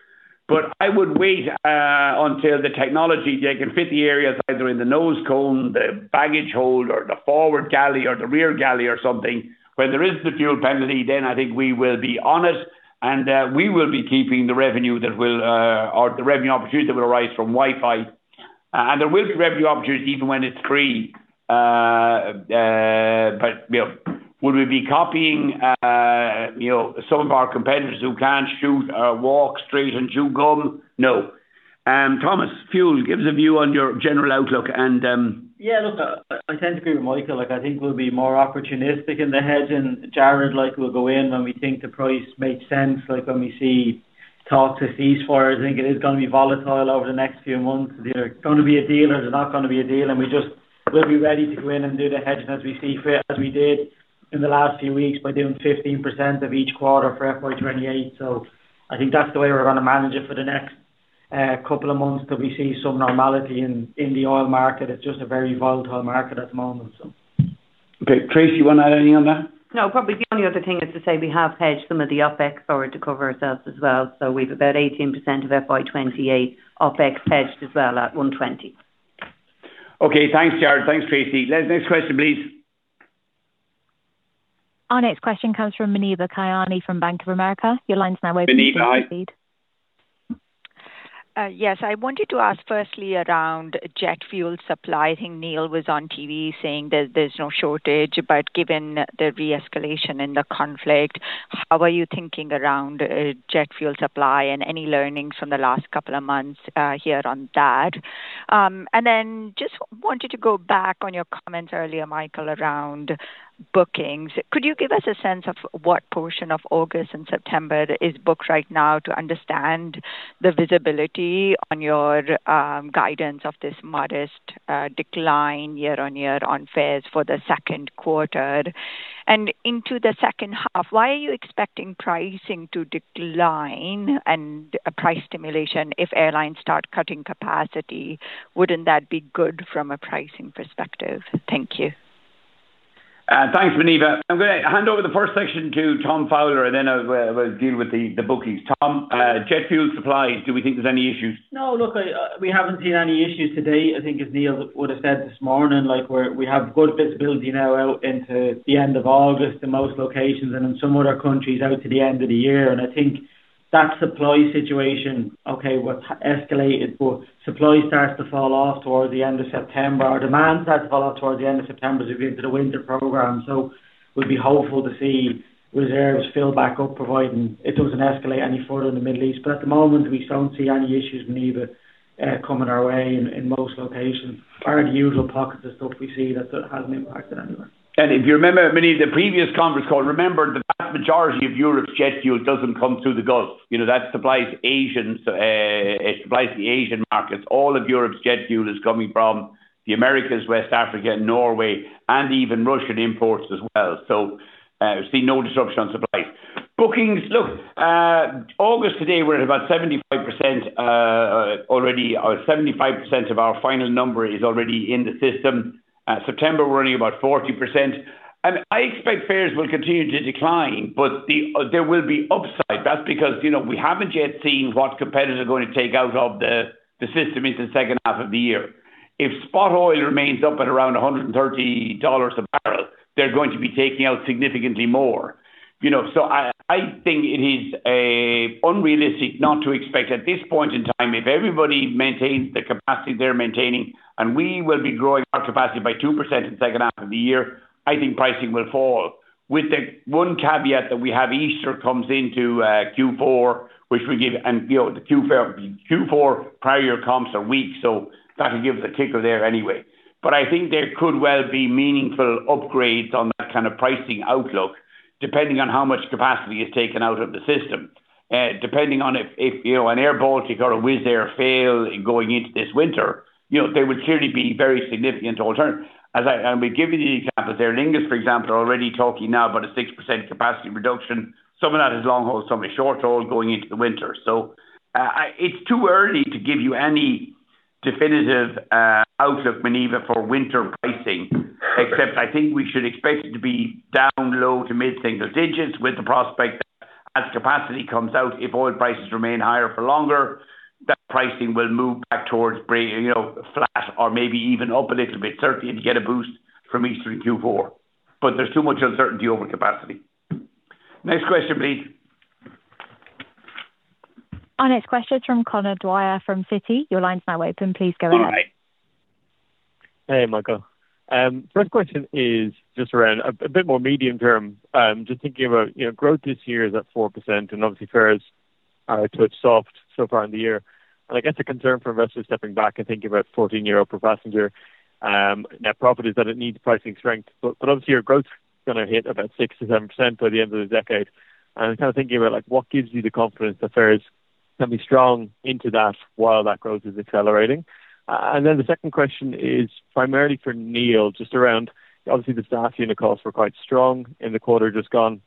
I would wait until the technology they can fit the areas either in the nose cone, the baggage hold, or the forward galley or the rear galley or something. When there isn't a fuel penalty, then I think we will be on it, and we will be keeping the revenue opportunity that will arise from Wi-Fi. There will be revenue opportunities even when it's free. Would we be copying some of our competitors who can't shoot or walk straight and chew gum? No. Thomas, fuel. Give us a view on your general outlook and. I tend to agree with Michael O'Leary. I think we'll be more opportunistic in the hedge. Jarrod, we'll go in when we think the price makes sense, like when we see talk to ceasefires. I think it is going to be volatile over the next few months. Is there going to be a deal or is there not going to be a deal? We just will be ready to go in and do the hedging as we see fit, as we did in the last few weeks by doing 15% of each quarter for FY 2028. I think that's the way we're going to manage it for the next couple of months till we see some normality in the oil market. It's just a very volatile market at the moment. Okay. Tracey, you want to add any on that? No, probably the only other thing is to say we have hedged some of the OpEx forward to cover ourselves as well. We've about 18% of FY 2028 OpEx hedged as well at 120. Okay, thanks, Jarrod. Thanks, Tracey. Next question, please. Our next question comes from Muneeba Kayani from Bank of America. Your line's now open. Muneeba, hi. Yes. I wanted to ask firstly around jet fuel supply. I think Neil was on TV saying that there's no shortage, but given the re-escalation in the conflict, how are you thinking around jet fuel supply and any learnings from the last couple of months here on that? Just wanted to go back on your comments earlier, Michael, around bookings. Could you give us a sense of what portion of August and September is booked right now to understand the visibility on your guidance of this modest decline year-on-year on fares for the second quarter? Into the second half, why are you expecting pricing to decline and a price stimulation if airlines start cutting capacity? Wouldn't that be good from a pricing perspective? Thank you. Thanks, Muneeba. I'm going to hand over the first section to Tom Fowler. I will deal with the bookings. Tom, jet fuel supplies, do we think there's any issues? No. Look, we haven't seen any issues to date. I think as Neil would have said this morning, we have good visibility now out into the end of August in most locations and in some other countries out to the end of the year. I think that supply situation, okay, what's escalated, but supply starts to fall off towards the end of September. Our demand starts to fall off towards the end of September as we get into the winter program. We'd be hopeful to see reserves fill back up, providing it doesn't escalate any further in the Middle East. At the moment, we don't see any issues, Muneeba, coming our way in most locations. Barring the usual pockets of stuff we see that hasn't impacted anywhere. If you remember, Muneeba, the previous conference call, remember the vast majority of Europe's jet fuel doesn't come through the Gulf. That supplies the Asian markets. All of Europe's jet fuel is coming from the Americas, West Africa, Norway, and even Russian imports as well. See no disruption on supplies. Bookings. Look, August today, we're at about 75% already. 75% of our final number is already in the system. September, we're only about 40%. I expect fares will continue to decline, but there will be upside. That's because we haven't yet seen what competitors are going to take out of the system into the second half of the year. If spot oil remains up at around $130 a bbl, they're going to be taking out significantly more. I think it is unrealistic not to expect at this point in time, if everybody maintains the capacity they're maintaining, and we will be growing our capacity by 2% in the second half of the year, I think pricing will fall. With the one caveat that we have, Easter comes into Q4, and Q4 prior year comps are weak, so that'll give the tickle there anyway. I think there could well be meaningful upgrades on that kind of pricing outlook depending on how much capacity is taken out of the system. Depending on if an airBaltic or a Wizz Air fail going into this winter. They would clearly be very significant alternatives. As I've been giving you the example, Aer Lingus, for example, are already talking now about a 6% capacity reduction, some of that is long haul, some is short haul going into the winter. It's too early to give you any definitive outlook, Muneeba, for winter pricing. Except I think we should expect it to be down low to mid-single digits with the prospect that as capacity comes out, if oil prices remain higher for longer, that pricing will move back towards flat or maybe even up a little bit, certainly if you get a boost from Easter in Q4. There's too much uncertainty over capacity. Next question, please. Our next question is from Conor Dwyer from Citi. Your line's now open. Please go ahead. Conor. Hey, Michael. First question is just around a bit more medium term. Just thinking about growth this year is at 4% and obviously fares are a touch soft so far in the year. I guess a concern for investors stepping back and thinking about 14 euro per passenger net profit is that it needs pricing strength. Obviously your growth is going to hit about 6%-7% by the end of the decade. I'm kind of thinking about what gives you the confidence that fares can be strong into that while that growth is accelerating? Then the second question is primarily for Neil, just around obviously the staff unit costs were quite strong in the quarter just gone,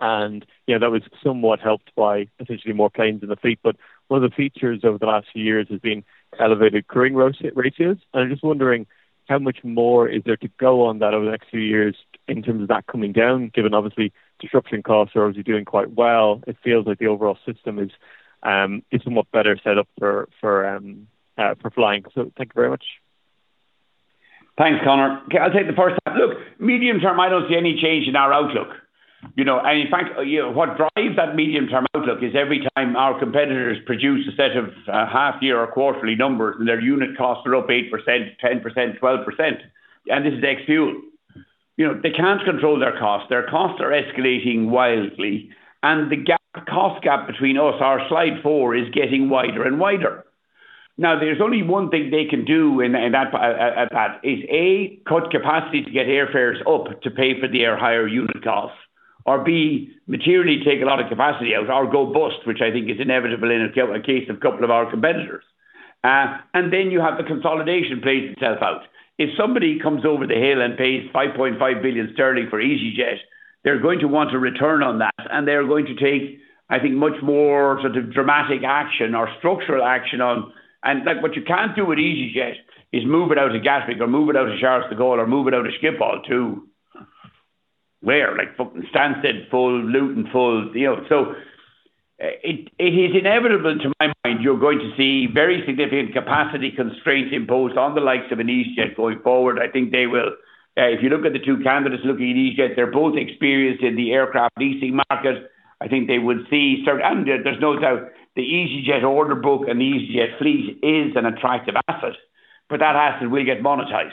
and that was somewhat helped by potentially more planes in the fleet. One of the features over the last few years has been elevated crew ratios. I'm just wondering how much more is there to go on that over the next few years in terms of that coming down, given obviously disruption costs are obviously doing quite well. It feels like the overall system is somewhat better set up for flying. Thank you very much. Thanks, Conor. Okay, I'll take the first. Look, medium term, I don't see any change in our outlook. In fact, what drives that medium-term outlook is every time our competitors produce a set of half-year or quarterly numbers. Their unit costs are up 8%, 10%, 12%, and this is ex-fuel. They can't control their costs. Their costs are escalating wildly, and the cost gap between us, our slide four, is getting wider and wider. There's only one thing they can do in that path, is A, cut capacity to get airfares up to pay for their higher unit costs, or B, materially take a lot of capacity out or go bust, which I think is inevitable in the case of a couple of our competitors. Then you have the consolidation plays itself out. If somebody comes over the hill and pays 5.5 billion sterling for easyJet, they're going to want a return on that, and they're going to take, I think, much more dramatic action or structural action on... What you can't do with easyJet is move it out of Gatwick or move it out of Charles de Gaulle or move it out of Schiphol to where? Stansted full, Luton full. It is inevitable to my mind, you're going to see very significant capacity constraints imposed on the likes of an easyJet going forward. If you look at the two candidates looking at easyJet, they're both experienced in the aircraft leasing market. There's no doubt the easyJet order book and the easyJet fleet is an attractive asset, but that asset will get monetized.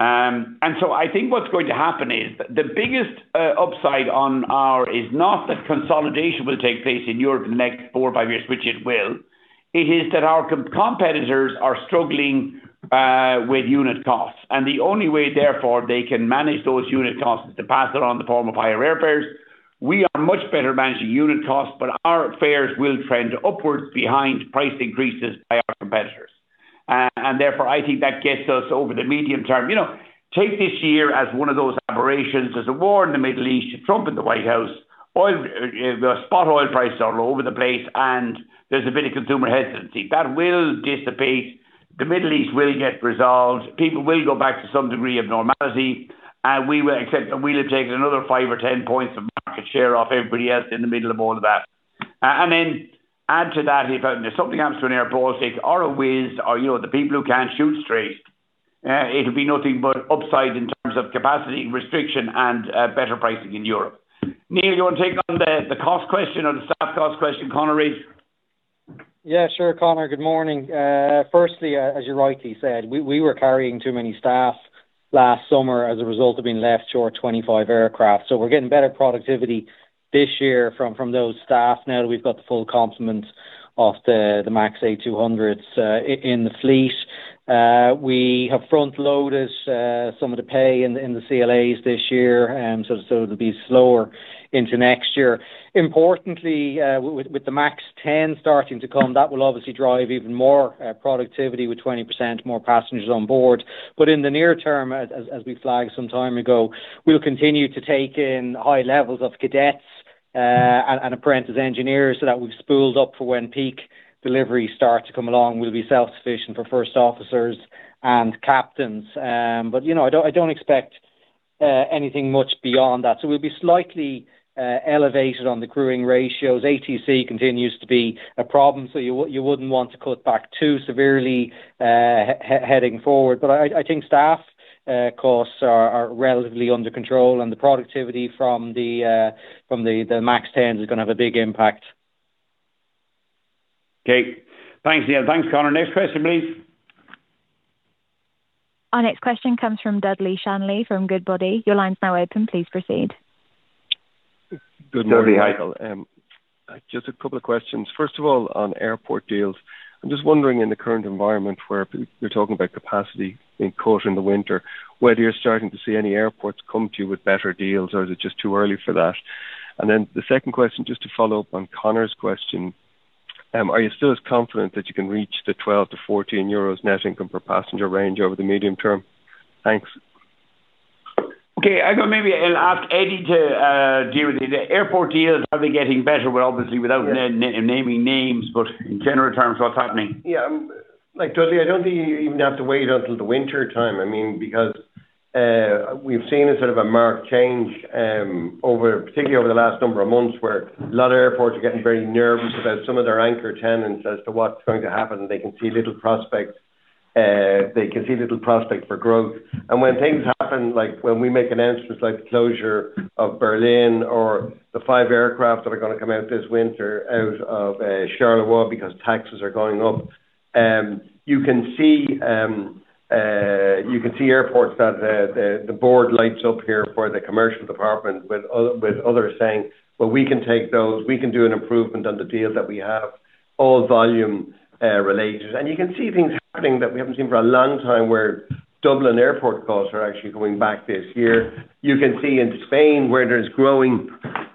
I think what's going to happen is, the biggest upside on our is not that consolidation will take place in Europe in the next four or five years, which it will. It is that our competitors are struggling with unit costs. The only way, therefore, they can manage those unit costs is to pass it on in the form of higher airfares. We are much better managing unit costs, but our fares will trend upwards behind price increases by our competitors. Therefore, I think that gets us over the medium term. Take this year as one of those aberrations. There's a war in the Middle East, Trump in the White House, spot oil prices are all over the place, and there's a bit of consumer hesitancy. That will dissipate. The Middle East will get resolved. People will go back to some degree of normality, and we will have taken another five or 10 points of market share off everybody else in the middle of all of that. Add to that, if something happens to an airport, if it's Wizz or the people who can't shoot straight, it'll be nothing but upside in terms of capacity restriction and better pricing in Europe. Neil, you want to take on the cost question or the staff cost question Conor raised? Yeah, sure. Conor, good morning. Firstly, as you rightly said, we were carrying too many staff last summer as a result of being left short 25 aircraft. We're getting better productivity this year from those staff now that we've got the full complement of the MAX 8200s in the fleet. We have front-loaded some of the pay in the CLAs this year, so it'll be slower into next year. Importantly, with the MAX 10 starting to come, that will obviously drive even more productivity with 20% more passengers on board. In the near term, as we flagged some time ago, we'll continue to take in high levels of cadets and apprentice engineers so that we've spooled up for when peak deliveries start to come along. We'll be self-sufficient for first officers and captains. I don't expect anything much beyond that. We'll be slightly elevated on the growing ratios. ATC continues to be a problem, so you wouldn't want to cut back too severely heading forward. I think staff costs are relatively under control and the productivity from the MAX 10s is going to have a big impact. Okay. Thanks, Neil. Thanks, Conor. Next question, please. Our next question comes from Dudley Shanley from Goodbody. Your line's now open. Please proceed. Dudley, hi. Good morning, Michael. Just two questions. First of all, on airport deals, I'm just wondering in the current environment where you're talking about capacity being caught in the winter, whether you're starting to see any airports come to you with better deals, or is it just too early for that? The second question, just to follow up on Conor's question, are you still as confident that you can reach the 12-14 euros net income per passenger range over the medium term? Thanks. Okay. I think maybe I'll ask Eddie to deal with it. The airport deals, are they getting better? Obviously without naming names, but in general terms, what's happening? Yeah. Look, Dudley, I don't think you even have to wait until the winter time. We've seen a marked change, particularly over the last number of months, where a lot of airports are getting very nervous about some of their anchor tenants as to what's going to happen. They can see little prospect for growth. When things happen, like when we make announcements like the closure of Berlin or the five aircraft that are going to come out this winter out of Charleroi because taxes are going up, you can see airports that the board lights up here for the commercial department with others saying, "Well, we can take those. We can do an improvement on the deals that we have," all volume related. You can see things happening that we haven't seen for a long time, where Dublin Airport costs are actually going back this year. You can see in Spain where there's growing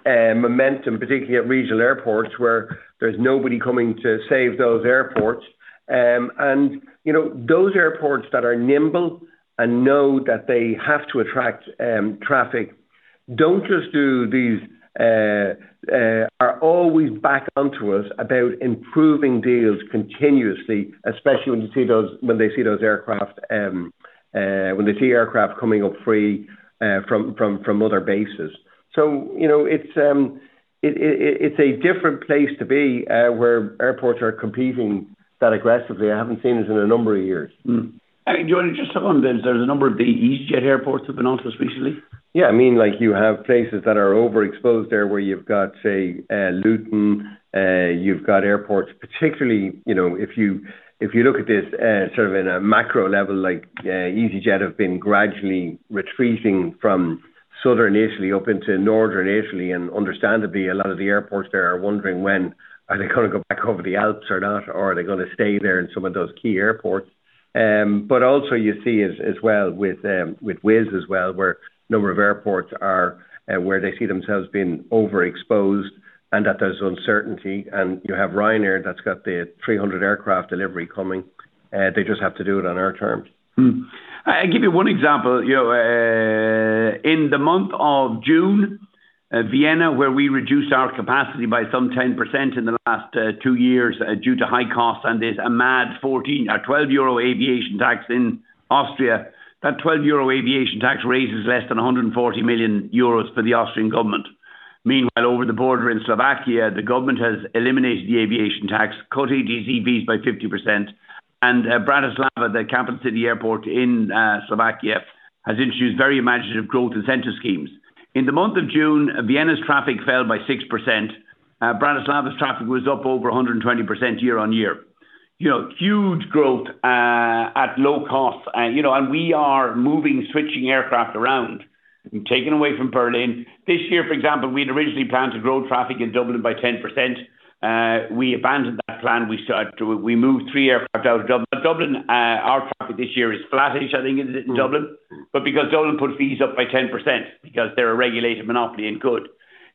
momentum, particularly at regional airports, where there's nobody coming to save those airports. Those airports that are nimble and know that they have to attract traffic, are always back onto us about improving deals continuously, especially when they see aircraft coming up free from other bases. It's a different place to be, where airports are competing that aggressively. I haven't seen this in a number of years. Eddie, just to come on this, there's a number of the easyJet airports have been onto especially? You have places that are overexposed there where you've got, say, Luton. You've got airports, particularly, if you look at this sort of in a macro level, like easyJet have been gradually retreating from Southern Italy up into Northern Italy, understandably, a lot of the airports there are wondering when are they going to go back over the Alps or not? Are they going to stay there in some of those key airports? Also you see as well with Wizz as well, where number of airports are where they see themselves being overexposed and that there's uncertainty. You have Ryanair that's got the 300 aircraft delivery coming. They just have to do it on our terms. I'll give you one example. In the month of June, Vienna, where we reduced our capacity by some 10% in the last two years due to high costs, there's a mad 12 euro aviation tax in Austria. That 12 euro aviation tax raises less than 140 million euros for the Austrian government. Meanwhile, over the border in Slovakia, the government has eliminated the aviation tax, cut ADT fees by 50%, Bratislava, the capital city airport in Slovakia, has introduced very imaginative growth incentive schemes. In the month of June, Vienna's traffic fell by 6%. Bratislava's traffic was up over 120% year-on-year. Huge growth at low cost, we are moving, switching aircraft around and taking away from Berlin. This year, for example, we had originally planned to grow traffic in Dublin by 10%. We abandoned that plan. We moved three aircraft out of Dublin. Dublin, our traffic this year is flattish, I think, isn't it, in Dublin. Because Dublin put fees up by 10%, because they're a regulated monopoly and good.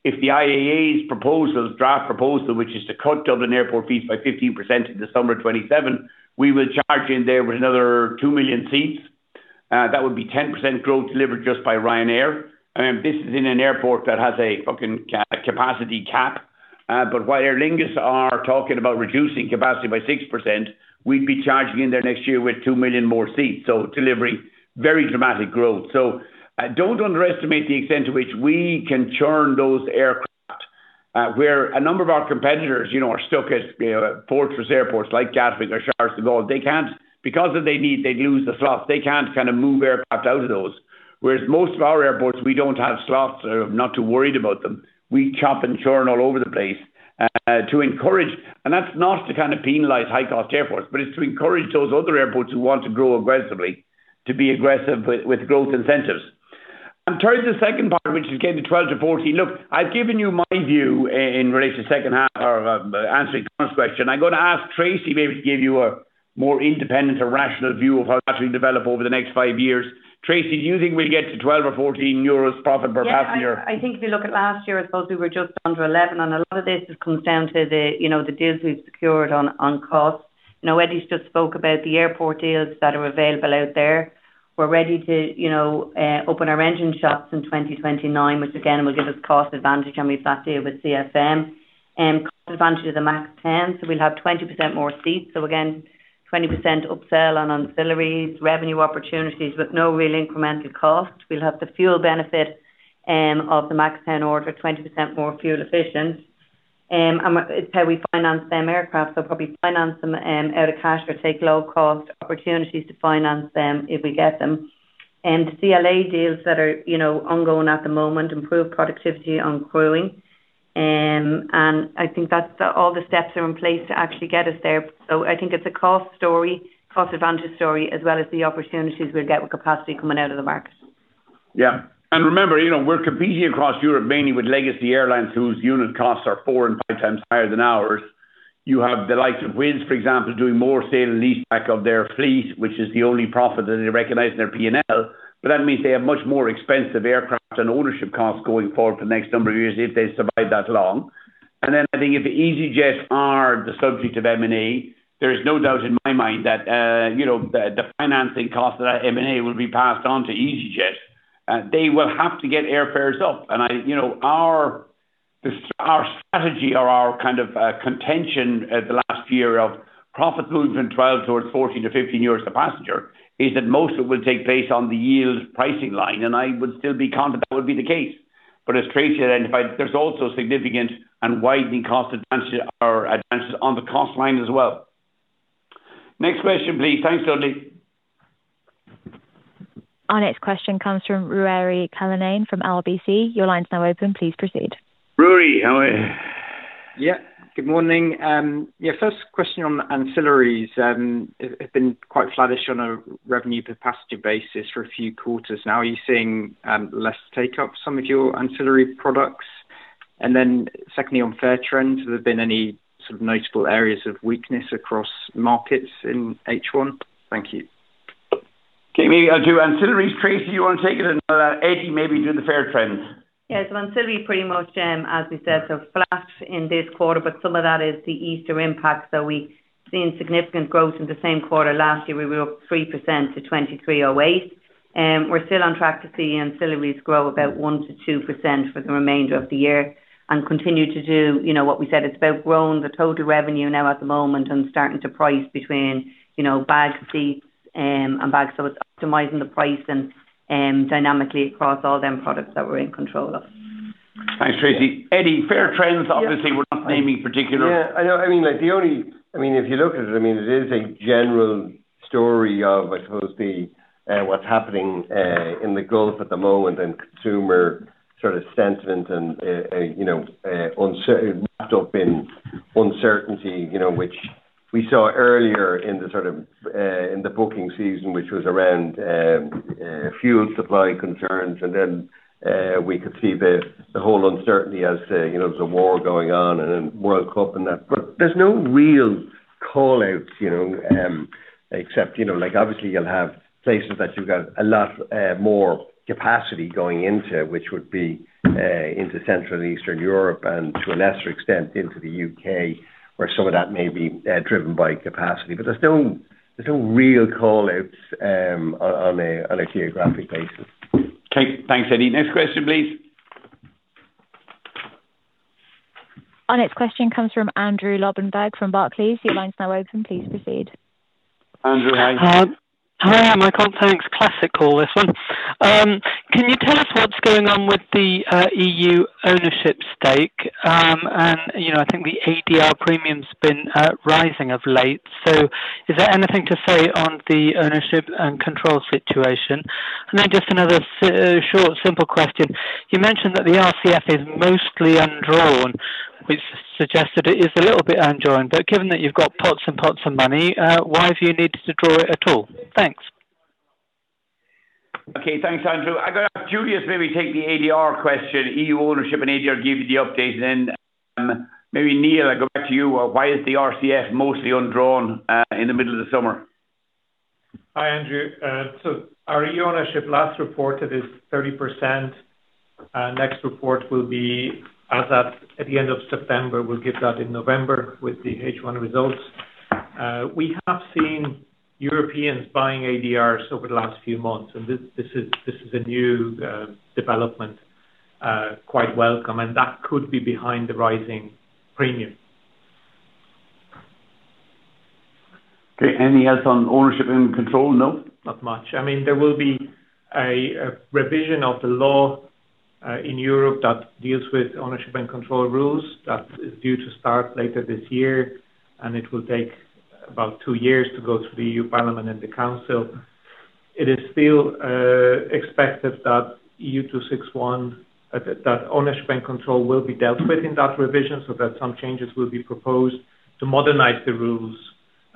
If the IAA's draft proposal, which is to cut Dublin Airport fees by 15% in the summer of 2027, we will charge in there with another 2 million seats. That would be 10% growth delivered just by Ryanair. This is in an airport that has a fucking capacity cap. While Aer Lingus are talking about reducing capacity by 6%, we'd be charging in there next year with 2 million more seats. Delivering very dramatic growth. Don't underestimate the extent to which we can churn those aircraft. Where a number of our competitors are stuck at fortress airports like Gatwick or Charles de Gaulle. If they leave, they'd lose the slots. They can't move aircraft out of those. Most of our airports, we don't have slots. Not too worried about them. We chop and churn all over the place to encourage. That's not to penalize high cost airports, but it's to encourage those other airports who want to grow aggressively, to be aggressive with growth incentives. Towards the second part, which is getting to 12-14. Look, I've given you my view in relation to the second half or answering Conor's question. I'm going to ask Tracey maybe to give you a more independent or rational view of how that'll develop over the next five years. Tracey, do you think we'll get to 12 or 14 euros profit per passenger? I think if you look at last year, I suppose we were just under 11, and a lot of this just comes down to the deals we've secured on cost. Eddie's just spoke about the airport deals that are available out there. We're ready to open our engine shops in 2029, which again, will give us cost advantage and we've that deal with CFM. Cost advantage of the MAX 10, so we'll have 20% more seats. Again, 20% upsell on ancillaries, revenue opportunities with no real incremental cost. We'll have the fuel benefit of the MAX 10 order, 20% more fuel efficient. How we finance them aircraft, probably finance them out of cash or take low-cost opportunities to finance them if we get them. The CLA deals that are ongoing at the moment improve productivity on growing. I think that's all the steps are in place to actually get us there. I think it's a cost story, cost advantage story, as well as the opportunities we'll get with capacity coming out of the market. Yeah. Remember, we're competing across Europe mainly with legacy airlines whose unit costs are four and five times higher than ours. You have the likes of Wizz, for example, doing more sale and lease back of their fleet, which is the only profit that they recognize in their P&L. That means they have much more expensive aircraft and ownership costs going forward for the next number of years if they survive that long. I think if easyJet are the subject of M&A, there's no doubt in my mind that the financing cost of that M&A will be passed on to easyJet. They will have to get airfares up. Our strategy or our kind of contention the last year of profit movement 12 towards 14-15 euros a passenger is that most of it will take place on the yield pricing line. I would still be confident that would be the case. As Tracey identified, there's also significant and widening cost advantage or advances on the cost line as well. Next question, please. Thanks, Dudley. Our next question comes from Ruairi Cullinane from RBC. Your line's now open. Please proceed. Ruairi, how are you? Good morning. First question on ancillaries. It had been quite flattish on a revenue per passenger basis for a few quarters now. Are you seeing less take-up some of your ancillary products? Secondly, on fare trends, have there been any sort of notable areas of weakness across markets in H1? Thank you. Maybe I'll do ancillaries. Tracey, you want to take it? Eddie, maybe do the fare trends. Ancillary pretty much, as we said, so flat in this quarter, but some of that is the Easter impact. We've seen significant growth in the same quarter last year. We were up 3% to 23.08. We're still on track to see ancillaries grow about 1%-2% for the remainder of the year and continue to do what we said. It's about growing the total revenue now at the moment and starting to price between bagged seats and bags. It's optimizing the pricing dynamically across all them products that we're in control of. Thanks, Tracey. Eddie, fair trends. Obviously, we're not naming particular. Yeah, I know. If you look at it is a general story of, I suppose, the what's happening in the Gulf at the moment and consumer sort of sentiment and wrapped up in uncertainty, which we saw earlier in the booking season, which was around fuel supply concerns. Then we could see the whole uncertainty as there's a war going on and then World Cup and that. There's no real call-outs, except obviously you'll have places that you've got a lot more capacity going into, which would be into Central and Eastern Europe and to a lesser extent into the U.K. where some of that may be driven by capacity. There's no real call-outs on a geographic basis. Okay. Thanks, Eddie. Next question, please. Our next question comes from Andrew Lobbenberg from Barclays. Your line's now open. Please proceed. Andrew, how are you? Hi. My compliments. Classic call, this one. Can you tell us what's going on with the EU ownership stake? I think the ADR premium's been rising of late. Is there anything to say on the ownership and control situation? Just another short, simple question. You mentioned that the RCF is mostly undrawn, which suggested it is a little bit undrawn, but given that you've got pots and pots of money, why have you needed to draw it at all? Thanks. Okay. Thanks, Andrew. I'll have Juliusz maybe take the ADR question, EU ownership and ADR, give you the update. Maybe Neil, I'll go back to you. Why is the RCF mostly undrawn in the middle of the summer? Hi, Andrew. Our EU ownership last reported is 30%. Next report will be as at the end of September. We'll give that in November with the H1 results. We have seen Europeans buying ADRs over the last few months and this is a new development, quite welcome, and that could be behind the rising premium. Okay. Anything else on ownership and control? No. Not much. There will be a revision of the law in Europe that deals with ownership and control rules that is due to start later this year. It will take about two years to go through the European Parliament and the Council. It is still expected that EU 261, that ownership and control will be dealt with in that revision so that some changes will be proposed to modernize the rules,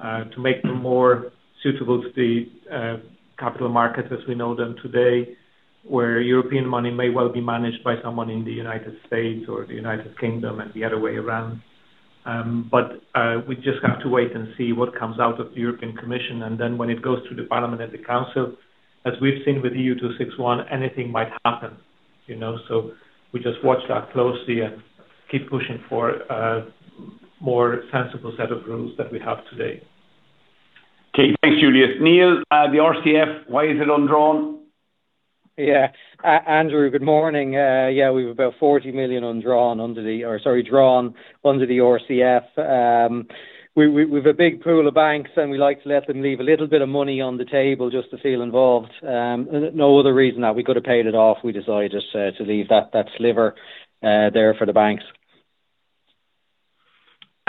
to make them more suitable to the capital markets as we know them today, where European money may well be managed by someone in the United States or the United Kingdom and the other way around. We just have to wait and see what comes out of the European Commission. Then when it goes to the Parliament and the Council, as we've seen with EU 261, anything might happen. We just watch that closely and keep pushing for a more sensible set of rules than we have today. Okay. Thanks, Juliusz. Neil, the RCF, why is it undrawn? Yeah. Andrew, good morning. Yeah, we have about 40 million drawn under the RCF. We've a big pool of banks and we like to let them leave a little bit of money on the table just to feel involved. No other reason. Now, we could have paid it off. We decided just to leave that sliver there for the banks.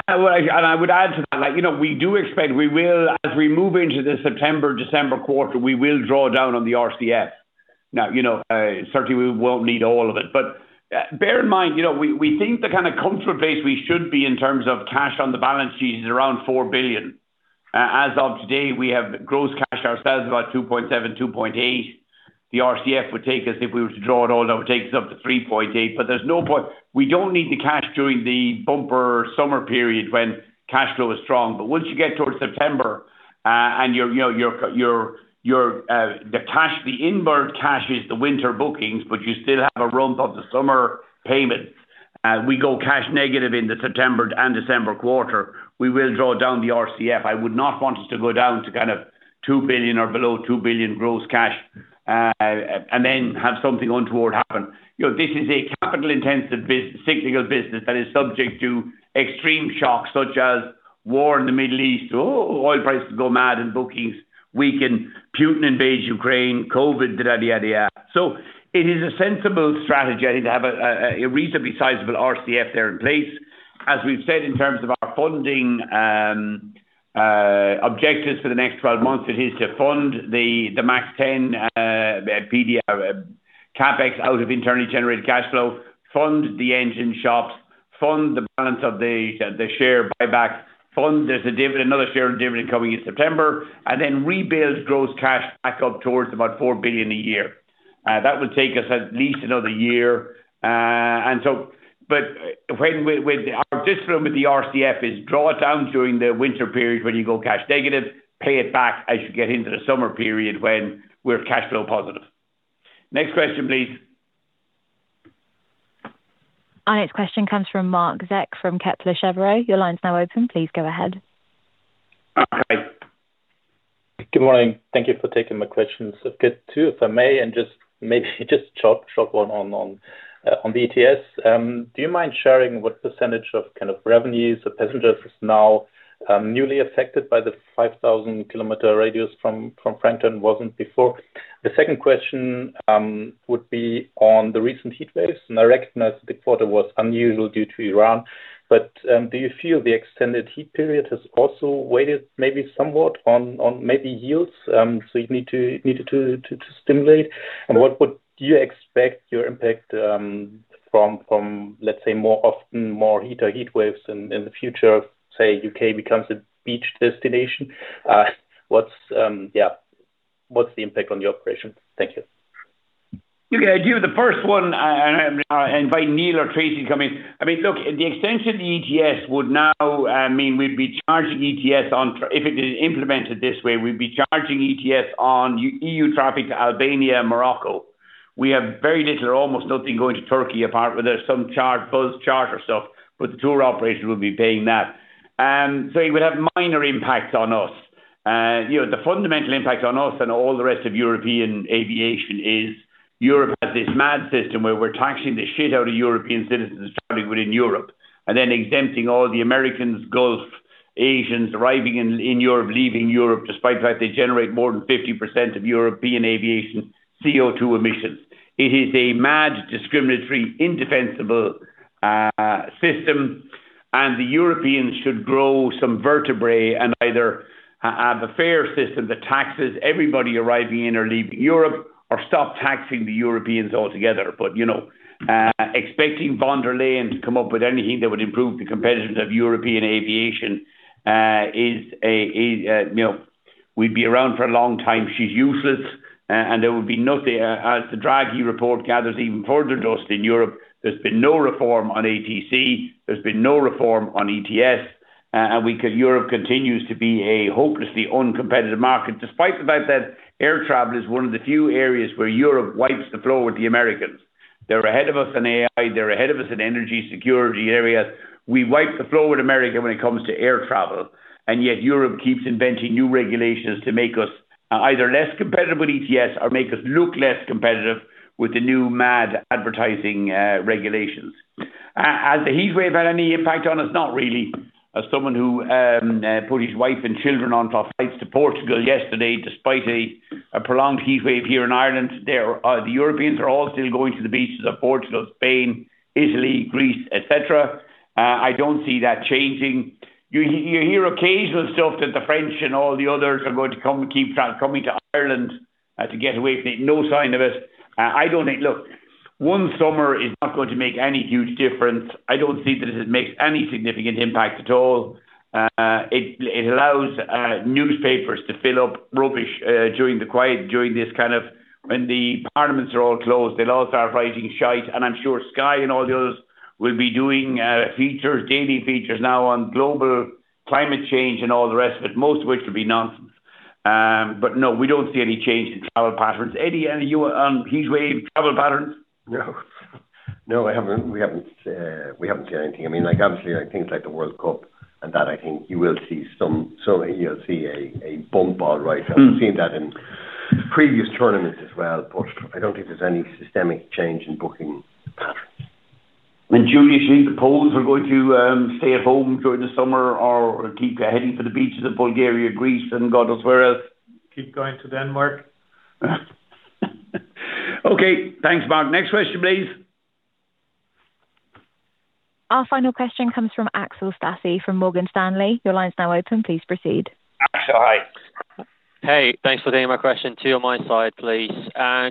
I would add to that, we do expect we will, as we move into the September, December quarter, we will draw down on the RCF. Certainly we won't need all of it, but bear in mind, we think the kind of comfort base we should be in terms of cash on the balance sheet is around 4 billion. As of today, we have gross cash ourselves about 2.7 billion-2.8 billion. The RCF would take us, if we were to draw it all now, it takes us up to 3.8 billion, but we don't need the cash during the bumper summer period when cash flow is strong. Once you get towards September and the inward cash is the winter bookings, you still have a rump of the summer payment. We go cash negative in the September and December quarter. We will draw down the RCF. I would not want us to go down to kind of 2 billion or below 2 billion gross cash, and then have something untoward happen. This is a capital intensive cyclical business that is subject to extreme shocks such as war in the Middle East. Oil prices go mad and bookings weaken. Putin invades Ukraine, COVID, da da da da. It is a sensible strategy, I think, to have a reasonably sizable RCF there in place. As we've said in terms of our funding objectives for the next 12 months, it is to fund the MAX 10 CapEx out of internally generated cash flow, fund the engine shops, fund the balance of the share buybacks, fund there's another share dividend coming in September, and then rebuild gross cash back up towards about 4 billion a year. That would take us at least another year. Our discipline with the RCF is draw it down during the winter period when you go cash negative, pay it back as you get into the summer period when we're cash flow positive. Next question, please. Our next question comes from Marc Zeck from Kepler Cheuvreux. Your line's now open. Please go ahead. *audio distortion* Good morning. Thank you for taking my questions. If I may, one on the ETS. Do you mind sharing what percentage of revenues of passengers is now newly affected by the 5,000-km radius from Frankfurt and wasn't before? The second question would be on the recent heat waves. I recognize the quarter was unusual due to Iran. Do you feel the extended heat period has also weighed somewhat on yields, so you needed to stimulate? What would you expect your impact from more often, more heat or heat waves in the future, say U.K. becomes a beach destination? What's the impact on the operation? Thank you. I'll give you the first one and invite Neil or Tracey to come in. The extension ETS would now mean we'd be charging ETS if it is implemented this way, we'd be charging ETS on EU traffic to Albania and Morocco. We have very little, almost nothing going to Turkey, apart where there's some post-charter stuff, but the tour operators will be paying that. It would have minor impacts on us. The fundamental impact on us and all the rest of European aviation is Europe has this mad system where we're taxing the shit out of European citizens traveling within Europe, then exempting all the Americans, Gulf, Asians arriving in Europe, leaving Europe despite the fact they generate more than 50% of European aviation CO2 emissions. It is a mad, discriminatory, indefensible system. The Europeans should grow some vertebrae and either have a fair system that taxes everybody arriving in or leaving Europe or stop taxing the Europeans altogether. Expecting von der Leyen to come up with anything that would improve the competitiveness of European aviation, we'd be around for a long time. She's useless. There would be nothing. As the Draghi report gathers even further dust in Europe, there's been no reform on ATC, there's been no reform on ETS. Europe continues to be a hopelessly uncompetitive market, despite the fact that air travel is one of the few areas where Europe wipes the floor with the Americans. They're ahead of us in AI, they're ahead of us in energy security areas. We wipe the floor with America when it comes to air travel. Europe keeps inventing new regulations to make us either less competitive with ETS or make us look less competitive with the new mad advertising regulations. Has the heat wave had any impact on us? Not really. As someone who put his wife and children onto flights to Portugal yesterday, despite a prolonged heat wave here in Ireland, the Europeans are all still going to the beaches of Portugal, Spain, Italy, Greece, et cetera. I don't see that changing. You hear occasional stuff that the French and all the others are going to Ireland to get away from it. No sign of it. I don't think. One summer is not going to make any huge difference. I don't see that it makes any significant impact at all. It allows newspapers to fill up rubbish during the quiet, during this kind of when the parliaments are all closed. They'll all start writing shite, and I'm sure Sky and all the others will be doing features, daily features now on global climate change and all the rest of it, most of which will be nonsense. No, we don't see any change in travel patterns. Eddie, any view on heat wave travel patterns? No. No, we haven't seen anything. Obviously, things like the World Cup and that I think you will see a bump all right. I've seen that in previous tournaments as well. I don't think there's any systemic change in booking patterns. Juliusz, you think the Poles are going to stay at home during the summer or keep heading for the beaches of Bulgaria, Greece, and God knows where else? Keep going to Denmark. Okay. Thanks, Marc. Next question, please. Our final question comes from Axel Stasse from Morgan Stanley. Your line's now open. Please proceed. Axel, hi. Hey, thanks for taking my question. Two on my side, please.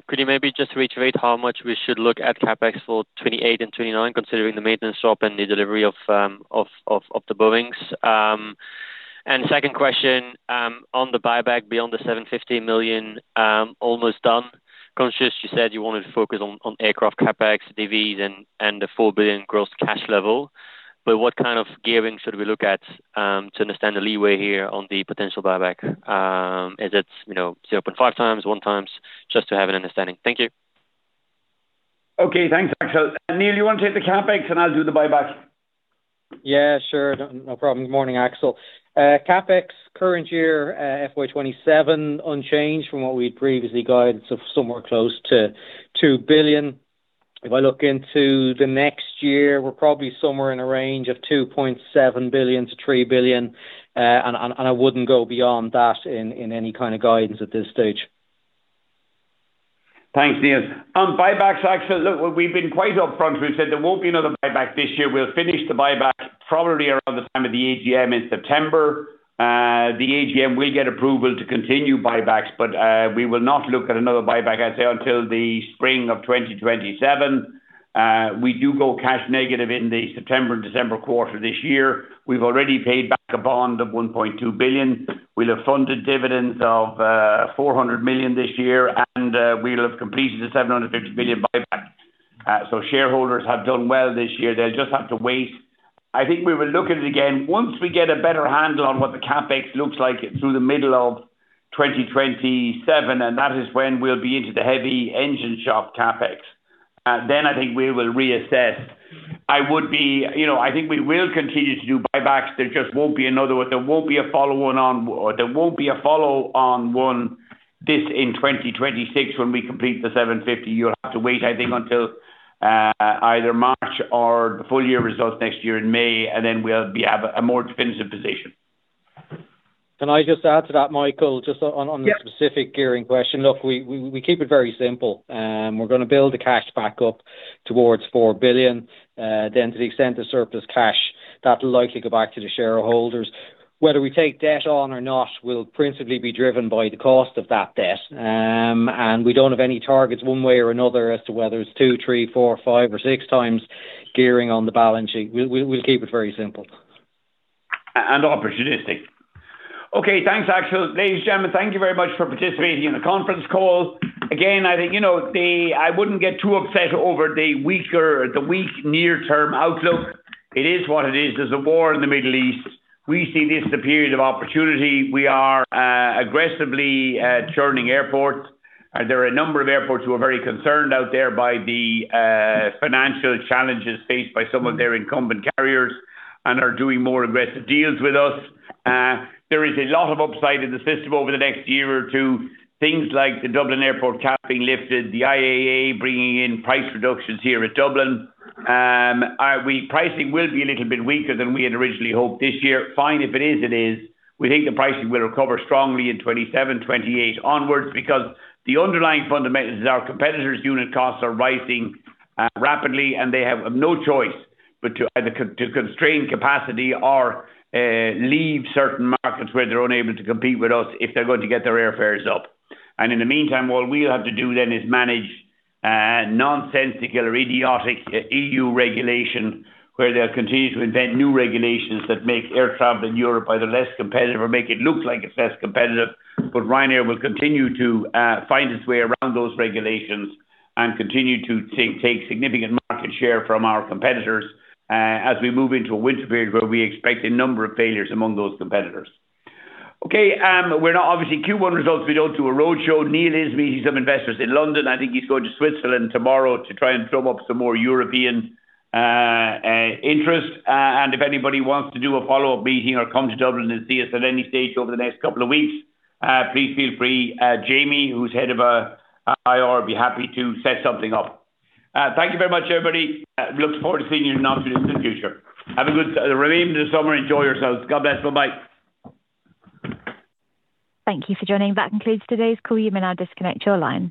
Could you maybe just reiterate how much we should look at CapEx for 2028 and 2029, considering the maintenance shop and the delivery of the Boeings? Second question, on the buyback beyond the 750 million almost done. Conscious you said you wanted to focus on aircraft CapEx, dividends, and the 4 billion gross cash level, what kind of gearing should we look at to understand the leeway here on the potential buyback? Is it 0.5x, 1x? Just to have an understanding. Thank you. Okay. Thanks, Axel. Neil, you want to take the CapEx and I'll do the buybacks? Yeah, sure. No problem. Morning, Axel. CapEx current year, FY 2027 unchanged from what we'd previously guided, so somewhere close to 2 billion. If I look into the next year, we're probably somewhere in a range of 2.7 billion-3 billion. I wouldn't go beyond that in any kind of guidance at this stage. Thanks, Neil. On buybacks, Axel, look, we've been quite upfront. We've said there won't be another buyback this year. We'll finish the buyback probably around the time of the AGM in September. The AGM will get approval to continue buybacks, we will not look at another buyback, I'd say, until the spring of 2027. We do go cash negative in the September and December quarter this year. We've already paid back a bond of 1.2 billion. We'll have funded dividends of 400 million this year, we'll have completed the 750 million buyback. Shareholders have done well this year. They'll just have to wait. I think we will look at it again once we get a better handle on what the CapEx looks like through the middle of 2027. That is when we'll be into the heavy engine shop CapEx. I think we will reassess. I think we will continue to do buybacks. There just won't be another one. There won't be a follow-on one this in 2026 when we complete the 750 million. You'll have to wait, I think, until either March or the full year results next year in May, and then we'll have a more definitive position. Can I just add to that, Michael, just on- Yeah. The specific gearing question? Look, we keep it very simple. We're going to build the cash back up towards 4 billion. To the extent of surplus cash, that'll likely go back to the shareholders. Whether we take debt on or not will principally be driven by the cost of that debt. We don't have any targets one way or another as to whether it's 2x, 3x, 4x, 5x, or 6x gearing on the balance sheet. We'll keep it very simple. Opportunistic. Okay, thanks, Axel. Ladies and gentlemen, thank you very much for participating in the conference call. Again, I wouldn't get too upset over the weak near-term outlook. It is what it is. There's a war in the Middle East. We see this as a period of opportunity. We are aggressively churning airports. There are a number of airports who are very concerned out there by the financial challenges faced by some of their incumbent carriers and are doing more aggressive deals with us. There is a lot of upside in the system over the next year or two. Things like the Dublin Airport cap being lifted, the IAA bringing in price reductions here at Dublin. Pricing will be a little bit weaker than we had originally hoped this year. Fine, if it is, it is. We think the pricing will recover strongly in 2027, 2028 onwards because the underlying fundamentals is our competitors' unit costs are rising rapidly, and they have no choice but to either constrain capacity or leave certain markets where they're unable to compete with us if they're going to get their airfares up. In the meantime, what we'll have to do then is manage nonsensical or idiotic EU regulation, where they'll continue to invent new regulations that make air travel in Europe either less competitive or make it look like it's less competitive. Ryanair will continue to find its way around those regulations and continue to take significant market share from our competitors as we move into a winter period where we expect a number of failures among those competitors. Okay. Obviously Q1 results, we don't do a roadshow. Neil is meeting some investors in London. I think he's going to Switzerland tomorrow to try and drum up some more European interest. If anybody wants to do a follow-up meeting or come to Dublin and see us at any stage over the next couple of weeks, please feel free. Jamie, who's head of IR, would be happy to set something up. Thank you very much, everybody. Look forward to seeing you in the not-too-distant future. Have a good remainder of the summer. Enjoy yourselves. God bless. Bye-bye. Thank you for joining. That concludes today's call. You may now disconnect your lines.